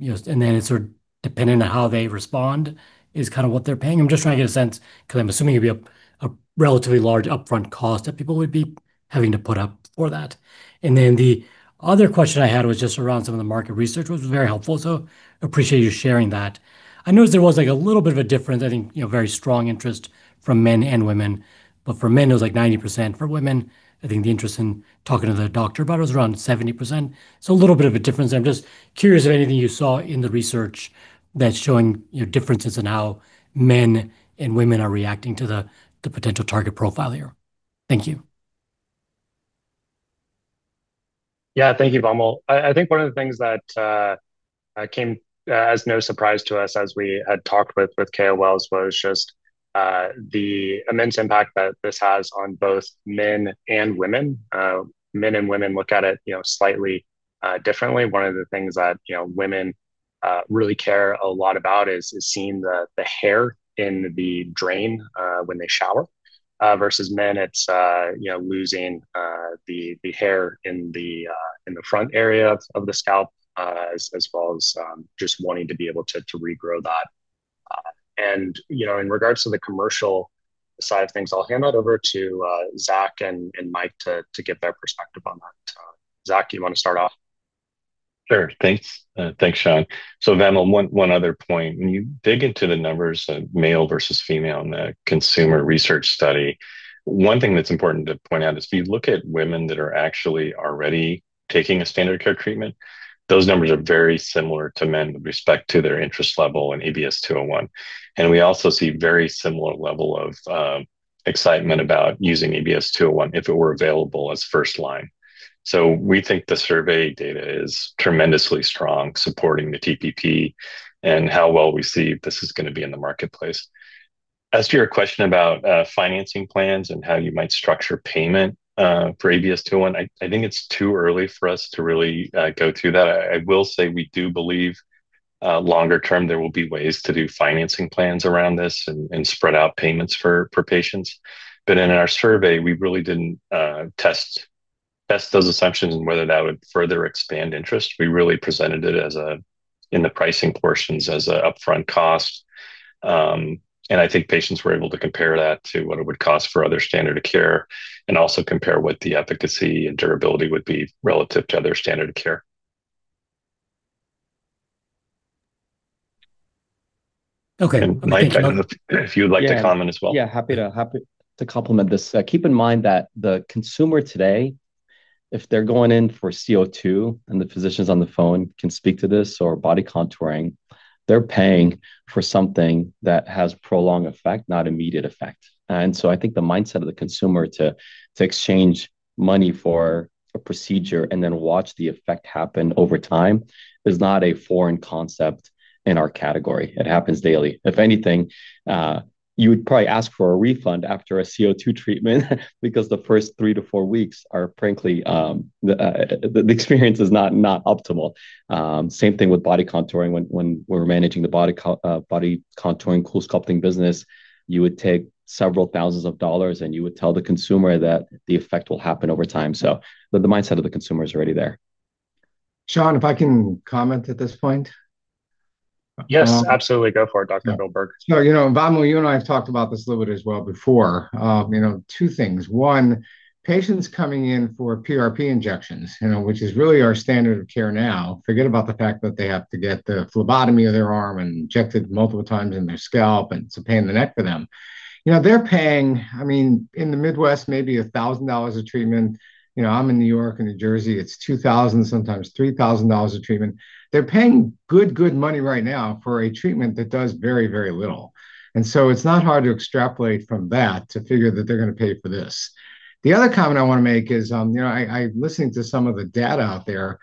and then it's sort of dependent on how they respond is kind of what they're paying? I'm just trying to get a sense because I'm assuming it'd be a relatively large upfront cost that people would be having to put up for that. And then the other question I had was just around some of the market research, which was very helpful. So I appreciate you sharing that. I noticed there was like a little bit of a difference. I think very strong interest from men and women. But for men, it was like 90%. For women, I think the interest in talking to the doctor about it was around 70%. So a little bit of a difference. I'm just curious if anything you saw in the research that's showing differences in how men and women are reacting to the potential target profile here. Thank you. Yeah, thank you, Vamil. I think one of the things that came as no surprise to us as we had talked with KOLs was just the immense impact that this has on both men and women. Men and women look at it slightly differently. One of the things that women really care a lot about is seeing the hair in the drain when they shower. Versus men, it's losing the hair in the front area of the scalp as well as just wanting to be able to regrow that. In regards to the commercial side of things, I'll hand that over to Zach and Mike to get their perspective on that. Zach, you want to start off? Sure. Thanks. Thanks, Sean. So Vamil, one other point. When you dig into the numbers of male versus female in the consumer research study, one thing that's important to point out is if you look at women that are actually already taking a standard care treatment, those numbers are very similar to men with respect to their interest level in ABS-201. And we also see a very similar level of excitement about using ABS-201 if it were available as first-line. So we think the survey data is tremendously strong supporting the TPP and how well we see this is going to be in the marketplace. As to your question about financing plans and how you might structure payment for ABS-201, I think it's too early for us to really go through that. I will say we do believe longer term there will be ways to do financing plans around this and spread out payments for patients. But in our survey, we really didn't test those assumptions and whether that would further expand interest. We really presented it in the pricing portions as an upfront cost. I think patients were able to compare that to what it would cost for other standard of care and also compare what the efficacy and durability would be relative to other standard of care. Okay. Mike, I don't know if you'd like to comment as well. Yeah, happy to complement this. Keep in mind that the consumer today, if they're going in for CO2 and the physicians on the phone can speak to this or body contouring, they're paying for something that has prolonged effect, not immediate effect. And so I think the mindset of the consumer to exchange money for a procedure and then watch the effect happen over time is not a foreign concept in our category. It happens daily. If anything, you would probably ask for a refund after a CO2 treatment because the first three to four weeks, frankly, the experience is not optimal. Same thing with body contouring. When we're managing the body contouring CoolSculpting business, you would take several thousands of dollars and you would tell the consumer that the effect will happen over time. So the mindset of the consumer is already there. Sean, if I can comment at this point? Yes, absolutely. Go for it, Dr. Goldberg. So Vamil, you and I have talked about this a little bit as well before. Two things. One, patients coming in for PRP injections, which is really our standard of care now. Forget about the fact that they have to get the phlebotomy of their arm and injected multiple times in their scalp, and it's a pain in the neck for them. They're paying, I mean, in the Midwest, maybe $1,000 a treatment. I'm in New York and New Jersey. It's $2,000, sometimes $3,000 a treatment. They're paying good, good money right now for a treatment that does very, very little. And so it's not hard to extrapolate from that to figure that they're going to pay for this. The other comment I want to make is I'm listening to some of the data out there.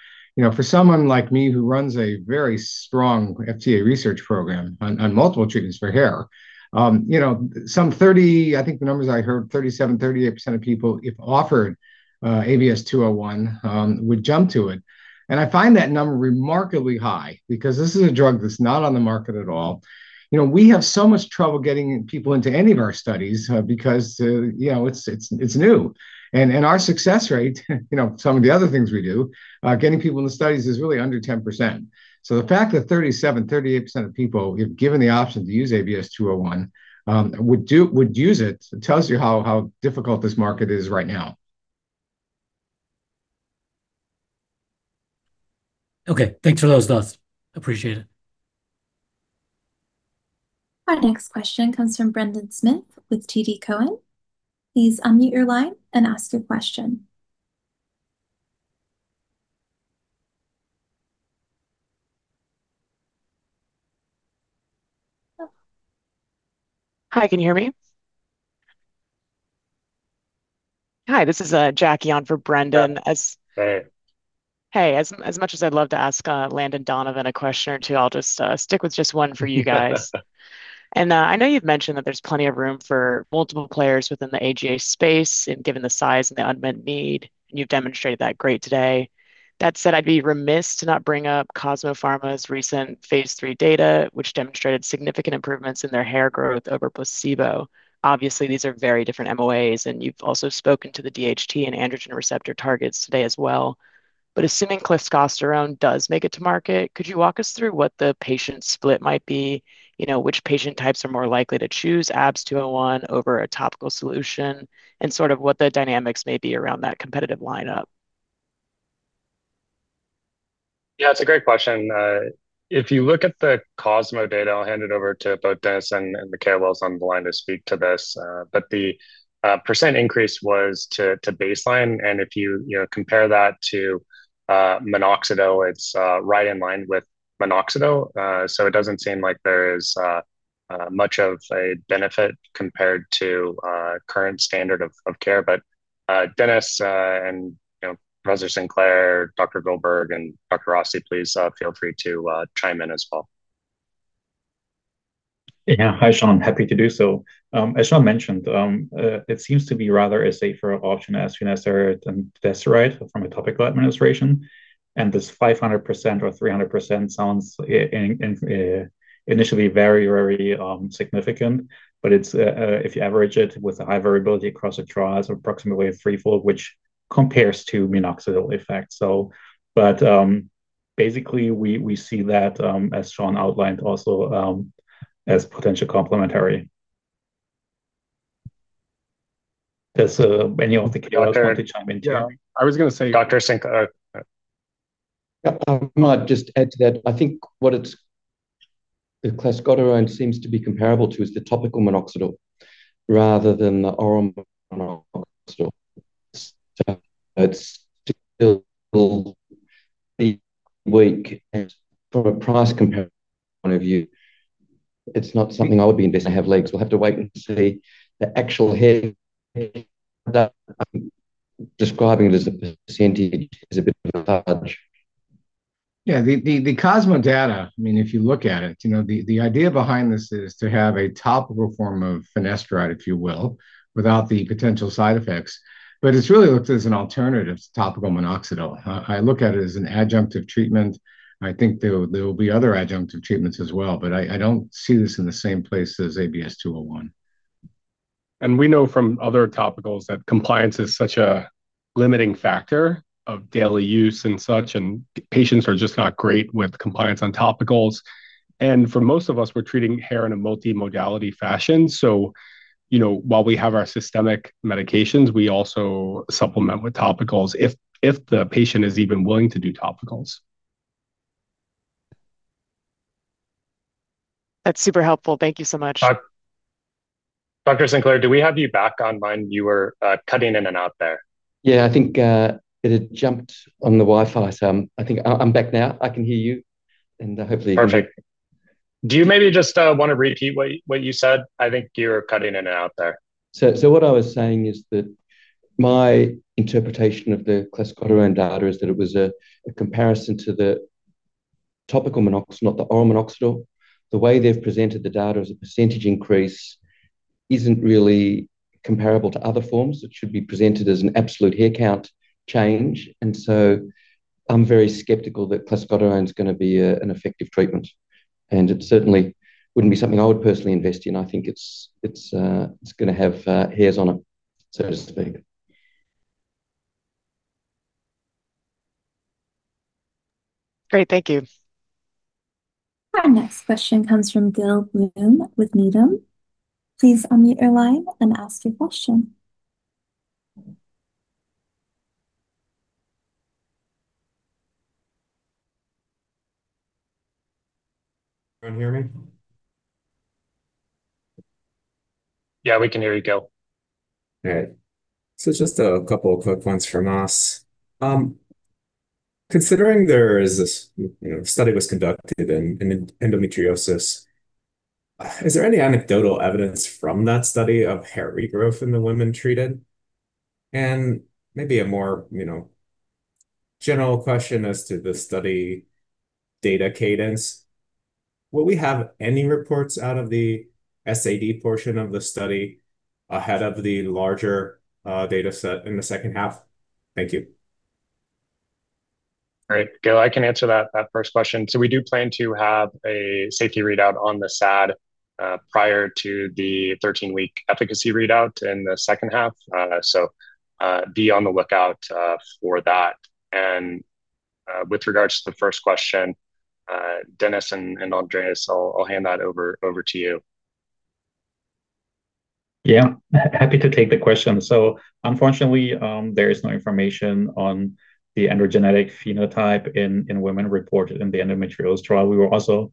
For someone like me who runs a very strong FDA research program on multiple treatments for hair, some 30%, I think the numbers I heard, 37%-38% of people, if offered ABS-201, would jump to it. And I find that number remarkably high because this is a drug that's not on the market at all. We have so much trouble getting people into any of our studies because it's new. And our success rate, some of the other things we do, getting people in the studies is really under 10%. So the fact that 37%-38% of people, if given the option to use ABS-201, would use it, it tells you how difficult this market is right now. Okay. Thanks for those thoughts. Appreciate it. Our next question comes from Brendan Smith with TD Cowen. Please unmute your line and ask your question. Hi, can you hear me? Hi, this is Jackie on for Brendan. Hey. Hey. As much as I'd love to ask Landon Donovan a question or two, I'll just stick with just one for you guys. I know you've mentioned that there's plenty of room for multiple players within the AGA space and given the size and the unmet need. You've demonstrated that great today. That said, I'd be remiss to not bring up Cosmo Pharmaceuticals' recent phase III data, which demonstrated significant improvements in their hair growth over placebo. Obviously, these are very different MOAs, and you've also spoken to the DHT and androgen receptor targets today as well. But assuming clascoterone does make it to market, could you walk us through what the patient split might be, which patient types are more likely to choose ABS-201 over a topical solution, and sort of what the dynamics may be around that competitive lineup? Yeah, it's a great question. If you look at the Cosmo data, I'll hand it over to both Denis and the KOLs on the line to speak to this. But the percent increase was to baseline. And if you compare that to minoxidil, it's right in line with minoxidil. So it doesn't seem like there is much of a benefit compared to current standard of care. But Denis and Professor Sinclair, Dr. Goldberg, and Dr. Rossi, please feel free to chime in as well. Yeah. Hi, Sean. Happy to do so. As Sean mentioned, it seems to be rather a safer option as soon as there is a tested route for a topical administration. And this 500% or 300% sounds initially very, very significant. But if you average it with a high variability across the trials, approximately three-fold, which compares to minoxidil effect. But basically, we see that, as Sean outlined, also as potential complementary. Does any of the KOLs want to chime in too? I was going to say Dr. Sinclair. I'm going to just add to that. I think what the clascoterone seems to be comparable to is the topical minoxidil rather than the oral minoxidil. So it's still weak from a price comparison point of view. It's not something I would be investing in. It has legs. We'll have to wait and see. The actual hair that I'm describing it as a percentage is a bit large. Yeah. The Cosmo data, I mean, if you look at it, the idea behind this is to have a topical form of finasteride, if you will, without the potential side effects, but it's really looked at as an alternative to topical minoxidil. I look at it as an adjunctive treatment. I think there will be other adjunctive treatments as well, but I don't see this in the same place as ABS-201, and we know from other topicals that compliance is such a limiting factor of daily use and such, and patients are just not great with compliance on topicals, and for most of us, we're treating hair in a multi-modality fashion, so while we have our systemic medications, we also supplement with topicals if the patient is even willing to do topicals. That's super helpful. Thank you so much. Dr. Sinclair, do we have you back online? You were cutting in and out there. Yeah, I think it had jumped on the Wi-Fi, so I think I'm back now. I can hear you. And hopefully. Perfect. Do you maybe just want to repeat what you said? I think you were cutting in and out there. So what I was saying is that my interpretation of the clascoterone data is that it was a comparison to the topical minoxidil, not the oral minoxidil. The way they've presented the data as a percentage increase isn't really comparable to other forms. It should be presented as an absolute hair count change. And so I'm very skeptical that clascoterone is going to be an effective treatment. And it certainly wouldn't be something I would personally invest in. I think it's going to have hairs on it, so to speak. Great. Thank you. Our next question comes from Gil Blum with Needham. Please unmute your line and ask your question. Can you hear me? Yeah, we can hear you, Gil. Okay. So just a couple of quick ones from us. Considering there is this study was conducted in endometriosis, is there any anecdotal evidence from that study of hair regrowth in the women treated? And maybe a more general question as to the study data cadence. Will we have any reports out of the SAD portion of the study ahead of the larger data set in the second half? Thank you. All right. Gil, I can answer that first question. So we do plan to have a safety readout on the SAD prior to the 13-week efficacy readout in the second half. So be on the lookout for that. And with regards to the first question, Denis and Andreas, I'll hand that over to you. Yeah. Happy to take the question. So unfortunately, there is no information on the androgenetic phenotype in women reported in the endometriosis trial. We were also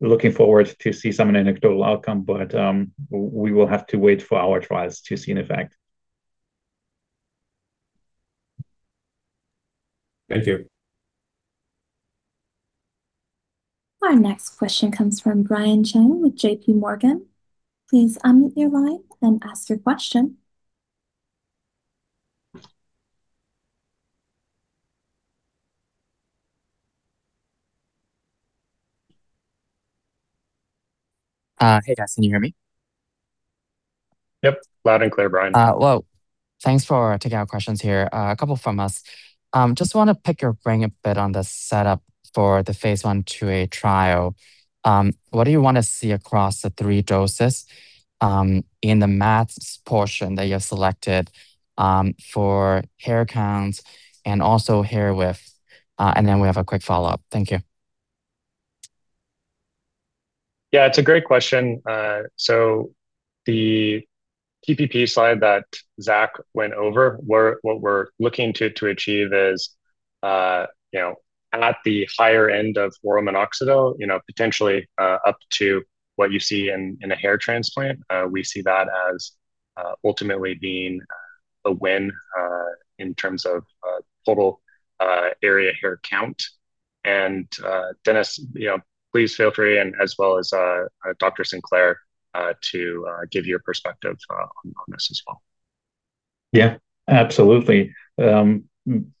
looking forward to see some anecdotal outcome, but we will have to wait for our trials to see an effect. Thank you. Our next question comes from Brian Cheng with JPMorgan. Please unmute your line and ask your question. Hey, guys. Can you hear me? Yep. Loud and clear, Brian. Well, thanks for taking our questions here. A couple from us. Just want to pick your brain a bit on the setup for the phase 1a trial. What do you want to see across the three doses in the MAD portion that you have selected for hair counts and also hair width? We have a quick follow-up. Thank you. Yeah, it's a great question. So the TPP slide that Zach went over, what we're looking to achieve is at the higher end of oral minoxidil, potentially up to what you see in a hair transplant. We see that as ultimately being a win in terms of total area hair count. And Denis, please feel free, and as well as Dr. Sinclair, to give your perspective on this as well. Yeah, absolutely.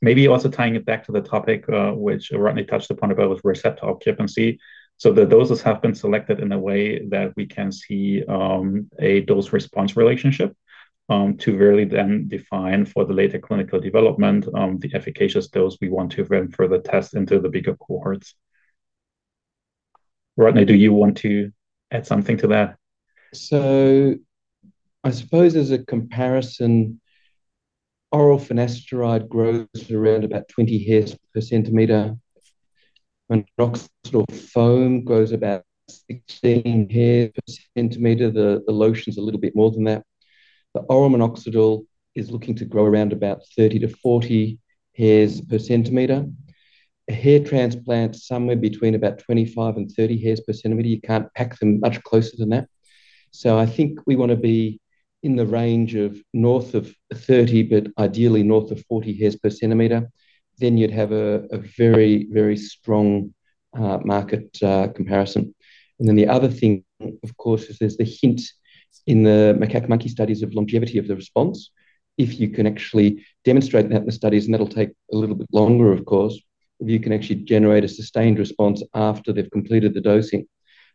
Maybe also tying it back to the topic, which Rodney touched upon about with receptor occupancy. So the doses have been selected in a way that we can see a dose-response relationship to really then define for the later clinical development the efficacious dose we want to run for the test into the bigger cohorts. Rodney, do you want to add something to that? I suppose as a comparison, oral finasteride grows around about 20 hairs per cm. Minoxidil foam grows about 16 hairs per cm. The lotion's a little bit more than that. The oral Minoxidil is looking to grow around about 30 hairs-40 hairs per cm. Hair transplants, somewhere between about 25 and 30 hairs per cm. You can't pack them much closer than that. So I think we want to be in the range of north of 30, but ideally north of 40 hairs per cm. Then you'd have a very, very strong market comparison. And then the other thing, of course, is there's the hint in the macaque monkey studies of longevity of the response. If you can actually demonstrate that in the studies, and that'll take a little bit longer, of course, if you can actually generate a sustained response after they've completed the dosing,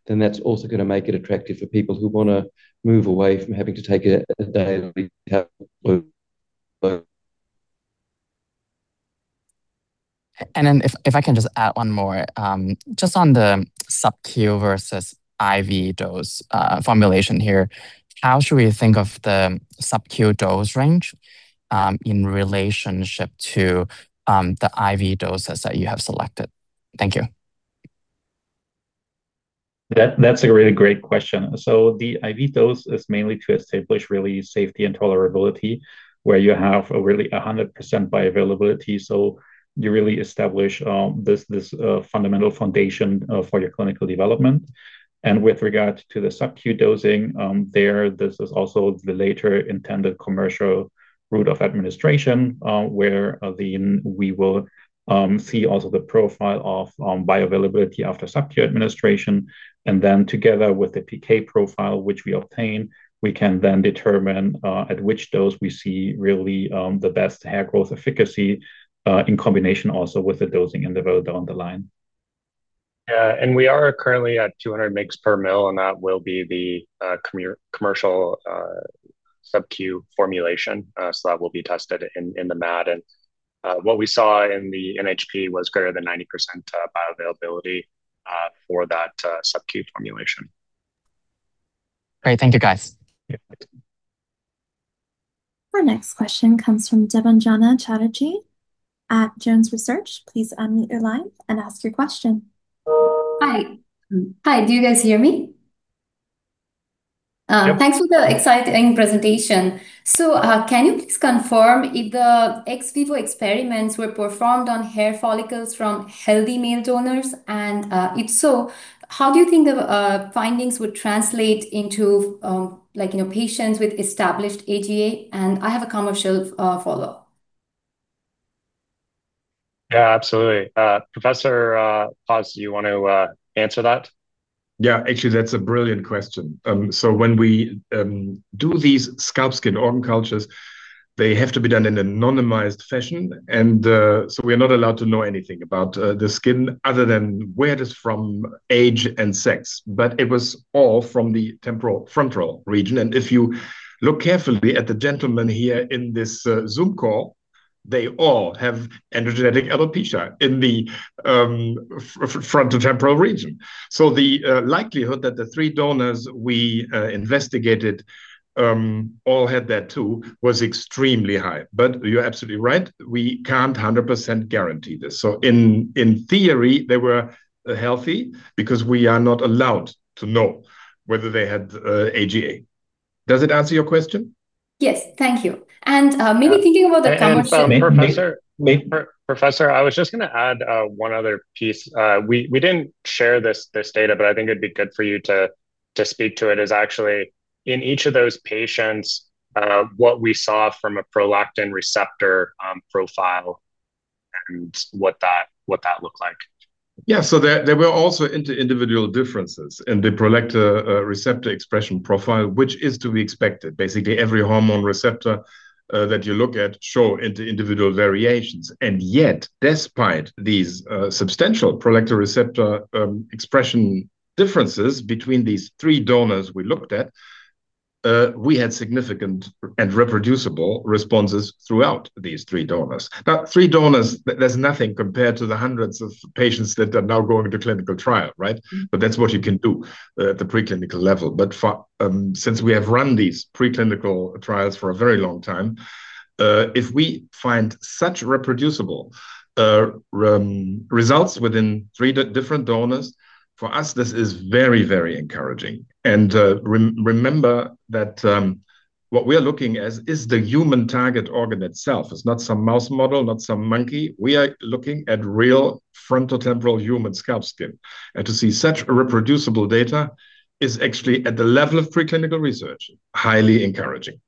then that's also going to make it attractive for people who want to move away from having to take a daily tablet. And then if I can just add one more, just on the sub-Q versus IV dose formulation here, how should we think of the sub-Q dose range in relationship to the IV doses that you have selected? Thank you. That's a really great question. So the IV dose is mainly to establish really safety and tolerability, where you have really 100% bioavailability. So you really establish this fundamental foundation for your clinical development. With regard to the sub-Q dosing, there, this is also the later intended commercial route of administration, where we will see also the profile of bioavailability after sub-Q administration. Then, together with the PK profile, which we obtain, we can then determine at which dose we see really the best hair growth efficacy in combination also with the dosing and the availability on the line. Yeah. We are currently at 200 mg per ml, and that will be the commercial sub-Q formulation. So that will be tested in the MAD. What we saw in the NHP was greater than 90% bioavailability for that sub-Q formulation. All right. Thank you, guys. Our next question comes from Debanjana Chatterjee at Jones Research. Please unmute your line and ask your question. Hi. Do you guys hear me? Thanks for the exciting presentation. Can you please confirm if the ex vivo experiments were performed on hair follicles from healthy male donors? And if so, how do you think the findings would translate into patients with established AGA? And I have a commercial follow-up. Yeah, absolutely. Professor Paus, do you want to answer that? Yeah. Actually, that's a brilliant question. So when we do these scalp skin organ cultures, they have to be done in an anonymized fashion. And so we are not allowed to know anything about the skin other than where it is from, age, and sex. But it was all from the frontotemporal region. And if you look carefully at the gentlemen here in this Zoom call, they all have androgenetic alopecia in the frontotemporal region. So the likelihood that the three donors we investigated all had that too was extremely high. But you're absolutely right. We can't 100% guarantee this, so in theory, they were healthy because we are not allowed to know whether they had AGA. Does it answer your question? Yes. Thank you. And maybe thinking about the commercial. Sorry, Professor. Professor, I was just going to add one other piece. We didn't share this data, but I think it'd be good for you to speak to it. It's actually in each of those patients what we saw from a prolactin receptor profile and what that looked like. Yeah, so there were also individual differences in the prolactin receptor expression profile, which is to be expected. Basically, every hormone receptor that you look at shows individual variations. And yet, despite these substantial prolactin receptor expression differences between these three donors we looked at, we had significant and reproducible responses throughout these three donors. Now, three donors, there's nothing compared to the hundreds of patients that are now going to clinical trial, right? But that's what you can do at the preclinical level. But since we have run these preclinical trials for a very long time, if we find such reproducible results within three different donors, for us, this is very, very encouraging. And remember that what we are looking at is the human target organ itself. It's not some mouse model, not some monkey. We are looking at real frontotemporal human scalp skin. And to see such reproducible data is actually at the level of preclinical research, highly encouraging.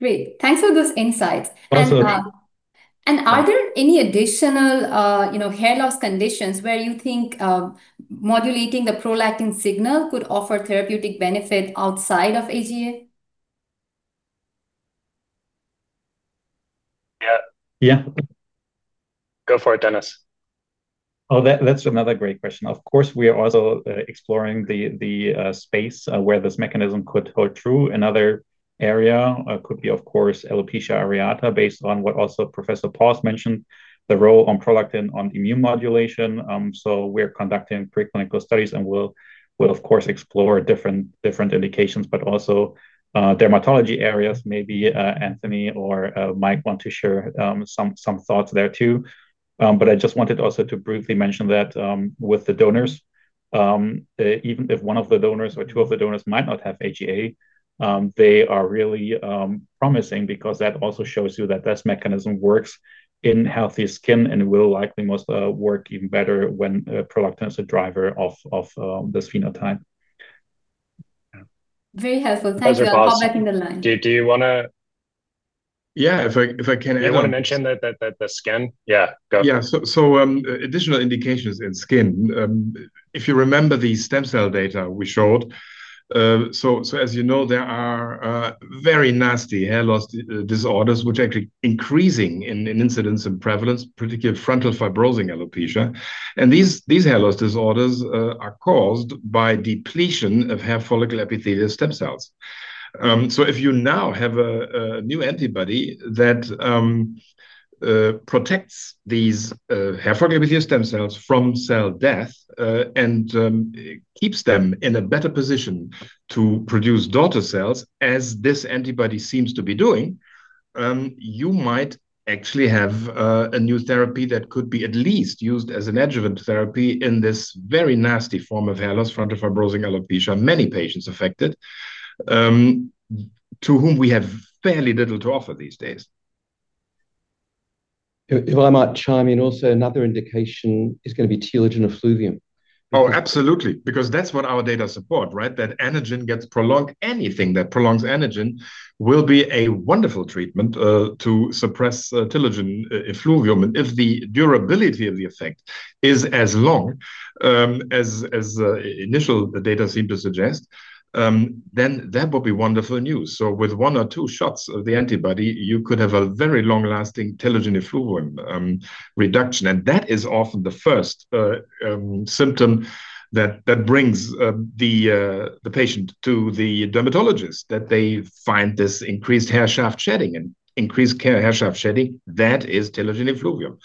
Great. Thanks for those insights. And are there any additional hair loss conditions where you think modulating the prolactin signal could offer therapeutic benefit outside of AGA? Yeah. Yeah. Go for it, Denis. Oh, that's another great question. Of course, we are also exploring the space where this mechanism could hold true. Another area could be, of course, alopecia areata based on what also Professor Paus mentioned, the role of prolactin on immune modulation. So we're conducting preclinical studies, and we'll, of course, explore different indications, but also dermatology areas. Maybe Anthony or Mike want to share some thoughts there too. But I just wanted also to briefly mention that with the donors, even if one of the donors or two of the donors might not have AGA, they are really promising because that also shows you that this mechanism works in healthy skin and will likely most work even better when prolactin is a driver of this phenotype. Very helpful. Thank you. I'll back in the line. Do you want to? Yeah, if I can. Do you want to mention that the skin? Yeah, go. Yeah. So, additional indications in skin. If you remember the stem cell data we showed, so as you know, there are very nasty hair loss disorders, which are actually increasing in incidence and prevalence, particularly frontal fibrosing alopecia. And these hair loss disorders are caused by depletion of hair follicle epithelial stem cells. So if you now have a new antibody that protects these hair follicle epithelial stem cells from cell death and keeps them in a better position to produce daughter cells, as this antibody seems to be doing, you might actually have a new therapy that could be at least used as an adjuvant therapy in this very nasty form of hair loss, frontal fibrosing alopecia, many patients affected, to whom we have fairly little to offer these days. If I might chime in, also another indication is going to be telogen effluvium. Oh, absolutely. Because that's what our data support, right? That anything that prolongs anagen will be a wonderful treatment to suppress telogen effluvium. And if the durability of the effect is as long as initial data seem to suggest, then that would be wonderful news. So with one or two shots of the antibody, you could have a very long-lasting telogen effluvium reduction. And that is often the first symptom that brings the patient to the dermatologist, that they find this increased hair shaft shedding. And increased hair shaft shedding, that is telogen effluvium.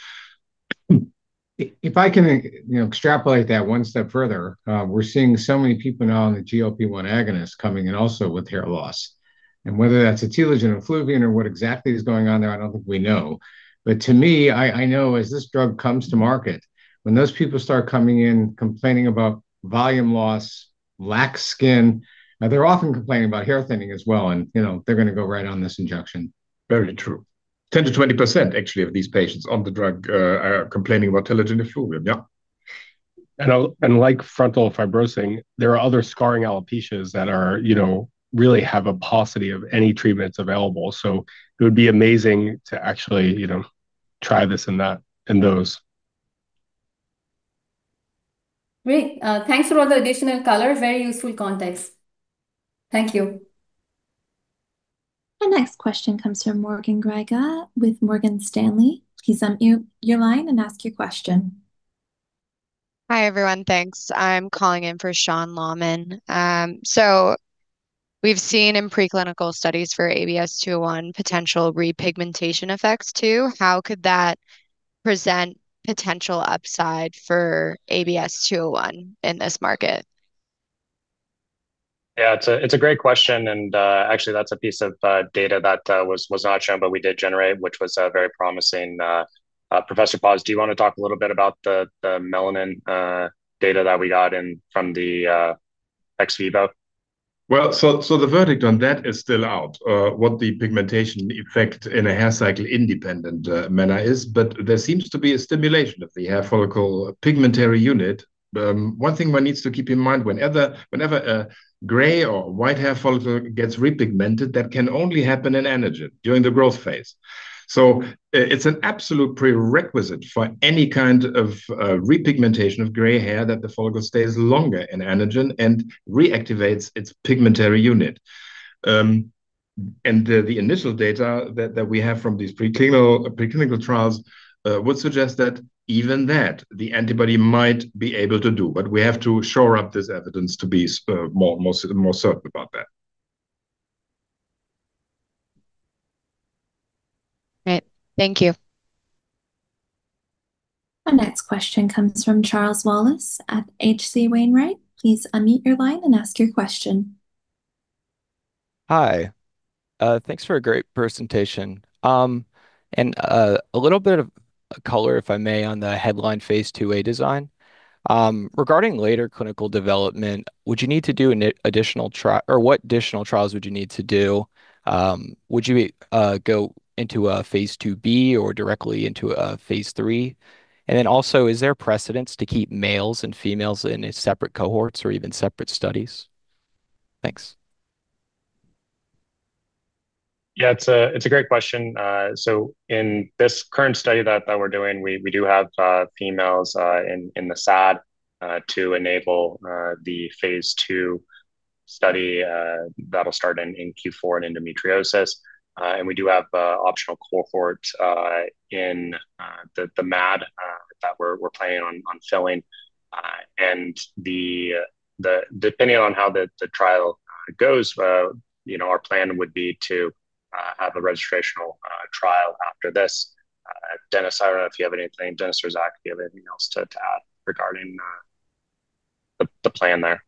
If I can extrapolate that one step further, we're seeing so many people now on the GLP-1 agonist coming in also with hair loss. And whether that's a telogen effluvium or what exactly is going on there, I don't think we know. But to me, I know as this drug comes to market, when those people start coming in complaining about volume loss, lax skin, they're often complaining about hair thinning as well. And they're going to go right on this injection. Very true. 10%-20%, actually, of these patients on the drug are complaining about telogen effluvium. Yeah. And like frontal fibrosing, there are other scarring alopecia that really have a paucity of any treatments available. So it would be amazing to actually try this in those. Great. Thanks for all the additional color. Very useful context. Thank you. Our next question comes from Morgan Grieger with Morgan Stanley. Please unmute your line and ask your question. Hi, everyone. Thanks. I'm calling in for Sean Laaman. So we've seen in preclinical studies for ABS-201 potential repigmentation effects too. How could that present potential upside for ABS-201 in this market? Yeah, it's a great question. And actually, that's a piece of data that was not shown, but we did generate, which was very promising. Professor Paus, do you want to talk a little bit about the melanin data that we got from the ex vivo? Well, so the verdict on that is still out, what the pigmentation effect in a hair cycle-independent manner is. But there seems to be a stimulation of the hair follicle pigmentary unit. One thing one needs to keep in mind, whenever a gray or white hair follicle gets repigmented, that can only happen in anagen during the growth phase. So it's an absolute prerequisite for any kind of repigmentation of gray hair that the follicle stays longer in anagen and reactivates its pigmentary unit. And the initial data that we have from these preclinical trials would suggest that even that the antibody might be able to do. But we have to shore up this evidence to be more certain about that. Great. Thank you. Our next question comes from Charles Wallace at H.C. Wainwright. Please unmute your line and ask your question. Hi. Thanks for a great presentation. And a little bit of color, if I may, on the headline phase 2a design. Regarding later clinical development, would you need to do an additional or what additional trials would you need to do? Would you go into a phase 2b or directly into a phase III? And then also, is there precedence to keep males and females in separate cohorts or even separate studies? Thanks. Yeah, it's a great question. So in this current study that we're doing, we do have females in the SAD to enable the phase II study that'll start in Q4 in endometriosis. And we do have optional cohorts in the MAD that we're planning on filling. And depending on how the trial goes, our plan would be to have a registrational trial after this. Denis, I don't know if you have anything. Denis or Zach, if you have anything else to add regarding the plan there?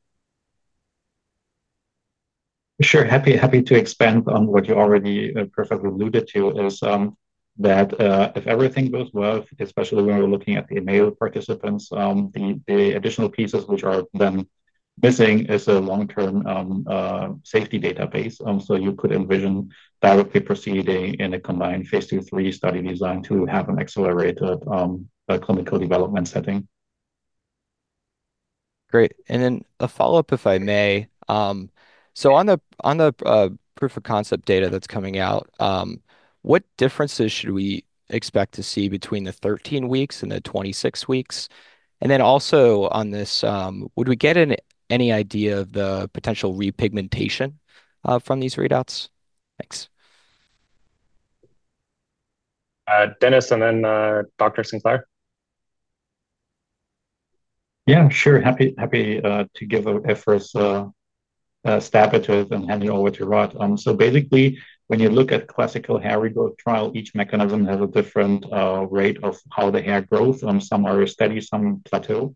Sure. Happy to expand on what you already perfectly alluded to, is that if everything goes well, especially when we're looking at the male participants, the additional pieces which are then missing is a long-term safety database. So you could envision directly proceeding in a combined phase II, III study design to have an accelerated clinical development setting. Great. And then a follow-up, if I may. So on the proof of concept data that's coming out, what differences should we expect to see between the 13 weeks and the 26 weeks? And then also on this, would we get any idea of the potential repigmentation from these readouts? Thanks. Denis and then Dr. Sinclair. Yeah, sure. Happy to give a first stab at it and hand it over to Rod. So basically, when you look at classical hair regrowth trial, each mechanism has a different rate of how the hair grows. Some are steady, some plateau.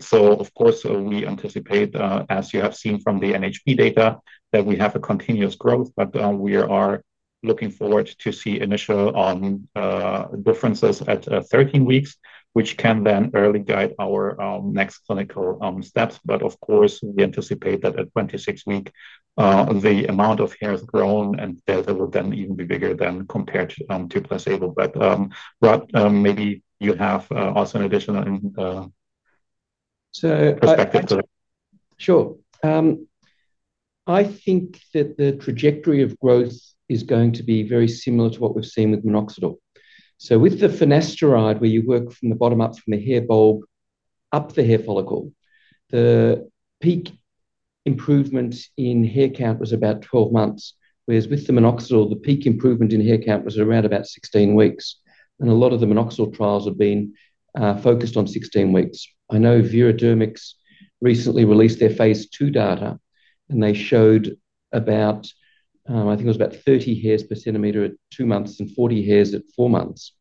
So of course, we anticipate, as you have seen from the NHP data, that we have a continuous growth. But we are looking forward to see initial differences at 13 weeks, which can then early guide our next clinical steps. But of course, we anticipate that at 26 weeks, the amount of hair has grown, and that it will then even be bigger than compared to placebo. But Rod, maybe you have also an additional perspective to that. Sure. I think that the trajectory of growth is going to be very similar to what we've seen with minoxidil. So with the finasteride, where you work from the bottom up from the hair bulb up the hair follicle, the peak improvement in hair count was about 12 months, whereas with the minoxidil, the peak improvement in hair count was around about 16 weeks. And a lot of the minoxidil trials have been focused on 16 weeks. I know Virodermics recently released their phase II data, and they showed about, I think it was about 30 hairs per centimeter at two months and 40 hairs at four months.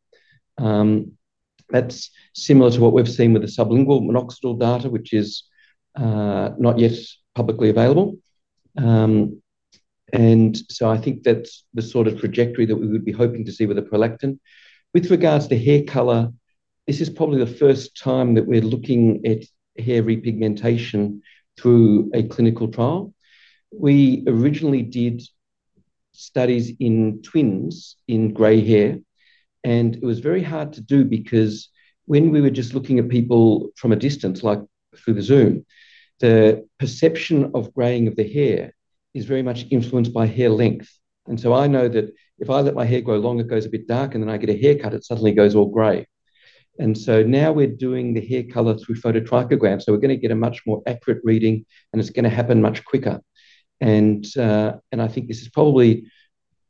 That's similar to what we've seen with the sublingual minoxidil data, which is not yet publicly available, and so I think that's the sort of trajectory that we would be hoping to see with the prolactin. With regards to hair color, this is probably the first time that we're looking at hair repigmentation through a clinical trial. We originally did studies in twins in gray hair, and it was very hard to do because when we were just looking at people from a distance, like through the Zoom, the perception of graying of the hair is very much influenced by hair length, and so I know that if I let my hair grow long, it goes a bit dark, and then I get a haircut, it suddenly goes all gray, and so now we're doing the hair color through phototrichogram. So we're going to get a much more accurate reading, and it's going to happen much quicker. And I think this is probably,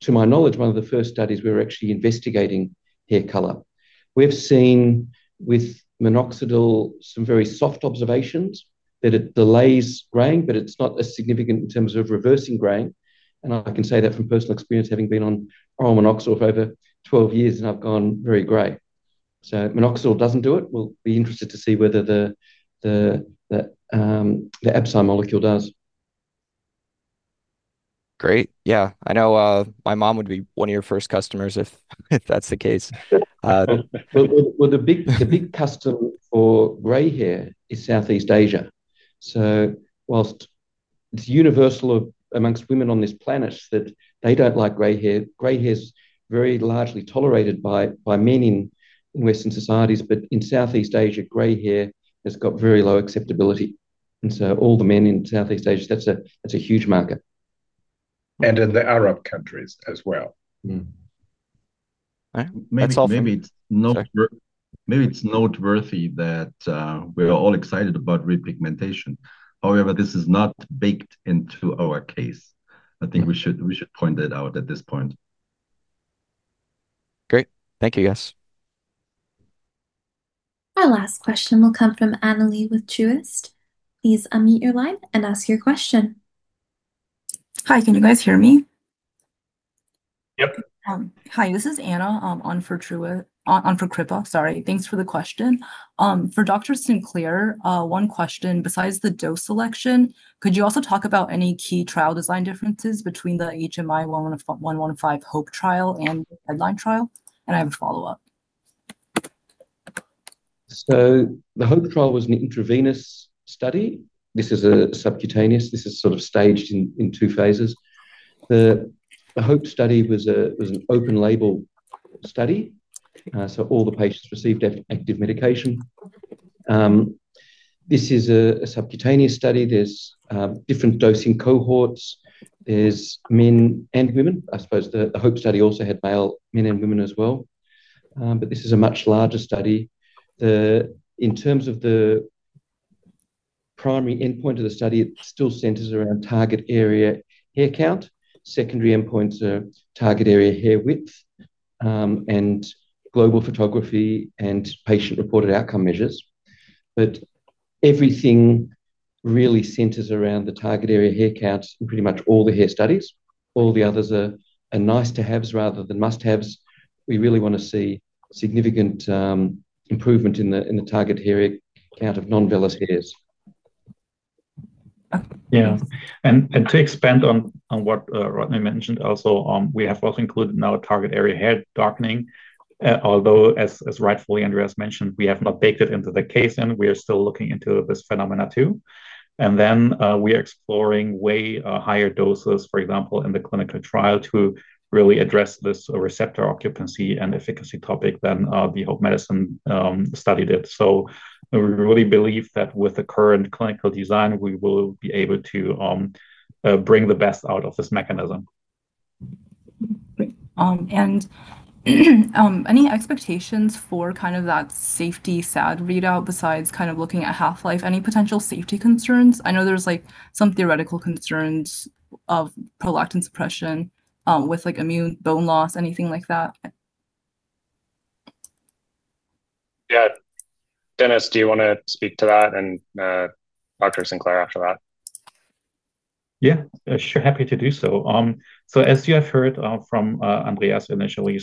to my knowledge, one of the first studies we're actually investigating hair color. We've seen with minoxidil some very soft observations that it delays graying, but it's not as significant in terms of reversing graying. And I can say that from personal experience, having been on oral minoxidil for over 12 years, and I've gone very gray. So minoxidil doesn't do it. We'll be interested to see whether the ABS-201 molecule does. Great. Yeah. I know my mom would be one of your first customers if that's the case. Well, the big customer for gray hair is Southeast Asia. So while it's universal among women on this planet that they don't like gray hair, gray hair is very largely tolerated by men in Western societies. But in Southeast Asia, gray hair has got very low acceptability. And so all the men in Southeast Asia, that's a huge marker. And in the Arab countries as well. Maybe it's noteworthy that we're all excited about repigmentation. However, this is not baked into our case. I think we should point that out at this point. Great. Thank you, guys. Our last question will come from Anna Lee with Truist. Please unmute your line and ask your question. Hi. Can you guys hear me? Yep. Hi. This is Anna on for Kripa. Sorry. Thanks for the question. For Dr. Sinclair, one question. Besides the dose selection, could you also talk about any key trial design differences between the HMI-115 Hope trial and the headline trial? And I have a follow-up. So the Hope trial was an intravenous study. This is subcutaneous. This is sort of staged in two phases. The Hope study was an open-label study. So all the patients received active medication. This is a subcutaneous study. There's different dosing cohorts. There's men and women. I suppose the Hope study also had men and women as well. But this is a much larger study. In terms of the primary endpoint of the study, it still centers around target area hair count. Secondary endpoints are target area hair width and global photography and patient-reported outcome measures. But everything really centers around the target area hair count in pretty much all the hair studies. All the others are nice-to-haves rather than must-haves. We really want to see significant improvement in the target hair count of non-vellus hairs. Yeah. And to expand on what Rodney mentioned, also, we have included now target area hair darkening. Although, as rightfully Andreas mentioned, we have not baked it into the case, and we are still looking into this phenomenon too, and then we are exploring way higher doses, for example, in the clinical trial to really address this receptor occupancy and efficacy topic than the Hope Medicine study did. So we really believe that with the current clinical design, we will be able to bring the best out of this mechanism. and any expectations for kind of that safety SAD readout besides kind of looking at half-life? Any potential safety concerns? I know there's some theoretical concerns of prolactin suppression with immune bone loss, anything like that. Yeah. Denis, do you want to speak to that and Dr. Sinclair after that? Yeah. Sure. Happy to do so. So, as you have heard from Andreas initially,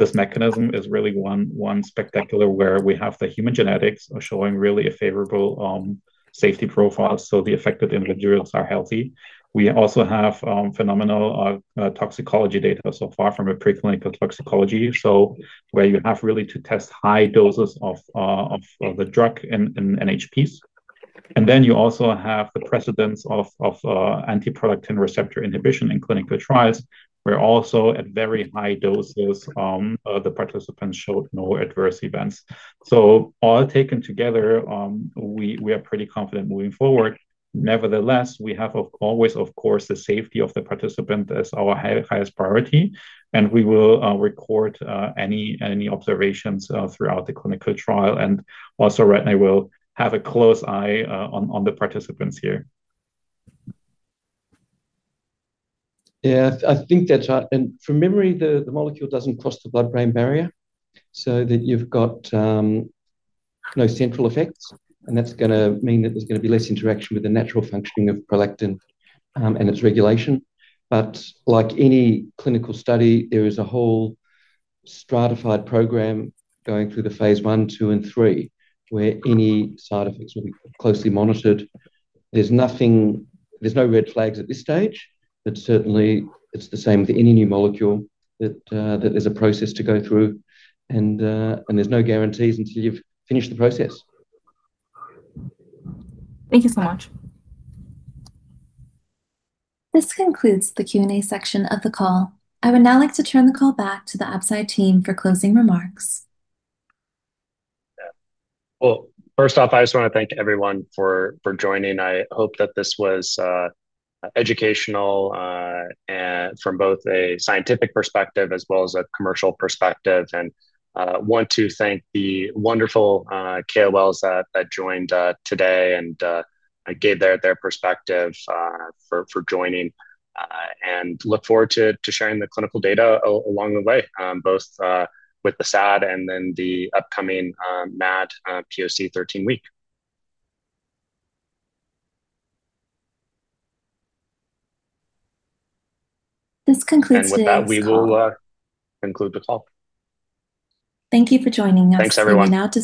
this mechanism is really one spectacular where we have the human genetics showing really a favorable safety profile. So the affected individuals are healthy. We also have phenomenal toxicology data so far from a preclinical toxicology, so where you have really to test high doses of the drug in NHPs. And then you also have the precedent of anti-prolactin receptor inhibition in clinical trials where also at very high doses, the participants showed no adverse events. So all taken together, we are pretty confident moving forward. Nevertheless, we have always, of course, the safety of the participant as our highest priority. And we will record any observations throughout the clinical trial. And also, Rodney will have a close eye on the participants here. Yeah. I think that from memory, the molecule doesn't cross the blood-brain barrier, so that you've got no central effects. And that's going to mean that there's going to be less interaction with the natural functioning of prolactin and its regulation. But like any clinical study, there is a whole stratified program going through the phase I, II, and III, where any side effects will be closely monitored. There's no red flags at this stage. But certainly, it's the same with any new molecule that there's a process to go through. And there's no guarantees until you've finished the process. Thank you so much. This concludes the Q&A section of the call. I would now like to turn the call back to the outside team for closing remarks. Well, first off, I just want to thank everyone for joining. I hope that this was educational from both a scientific perspective as well as a commercial perspective. And I want to thank the wonderful KOLs that joined today and gave their perspective for joining. And look forward to sharing the clinical data along the way, both with the SAD and then the upcoming MAD POC 13 week. This concludes the interview. And with that, we will conclude the call. Thank you for joining us. Thanks, everyone.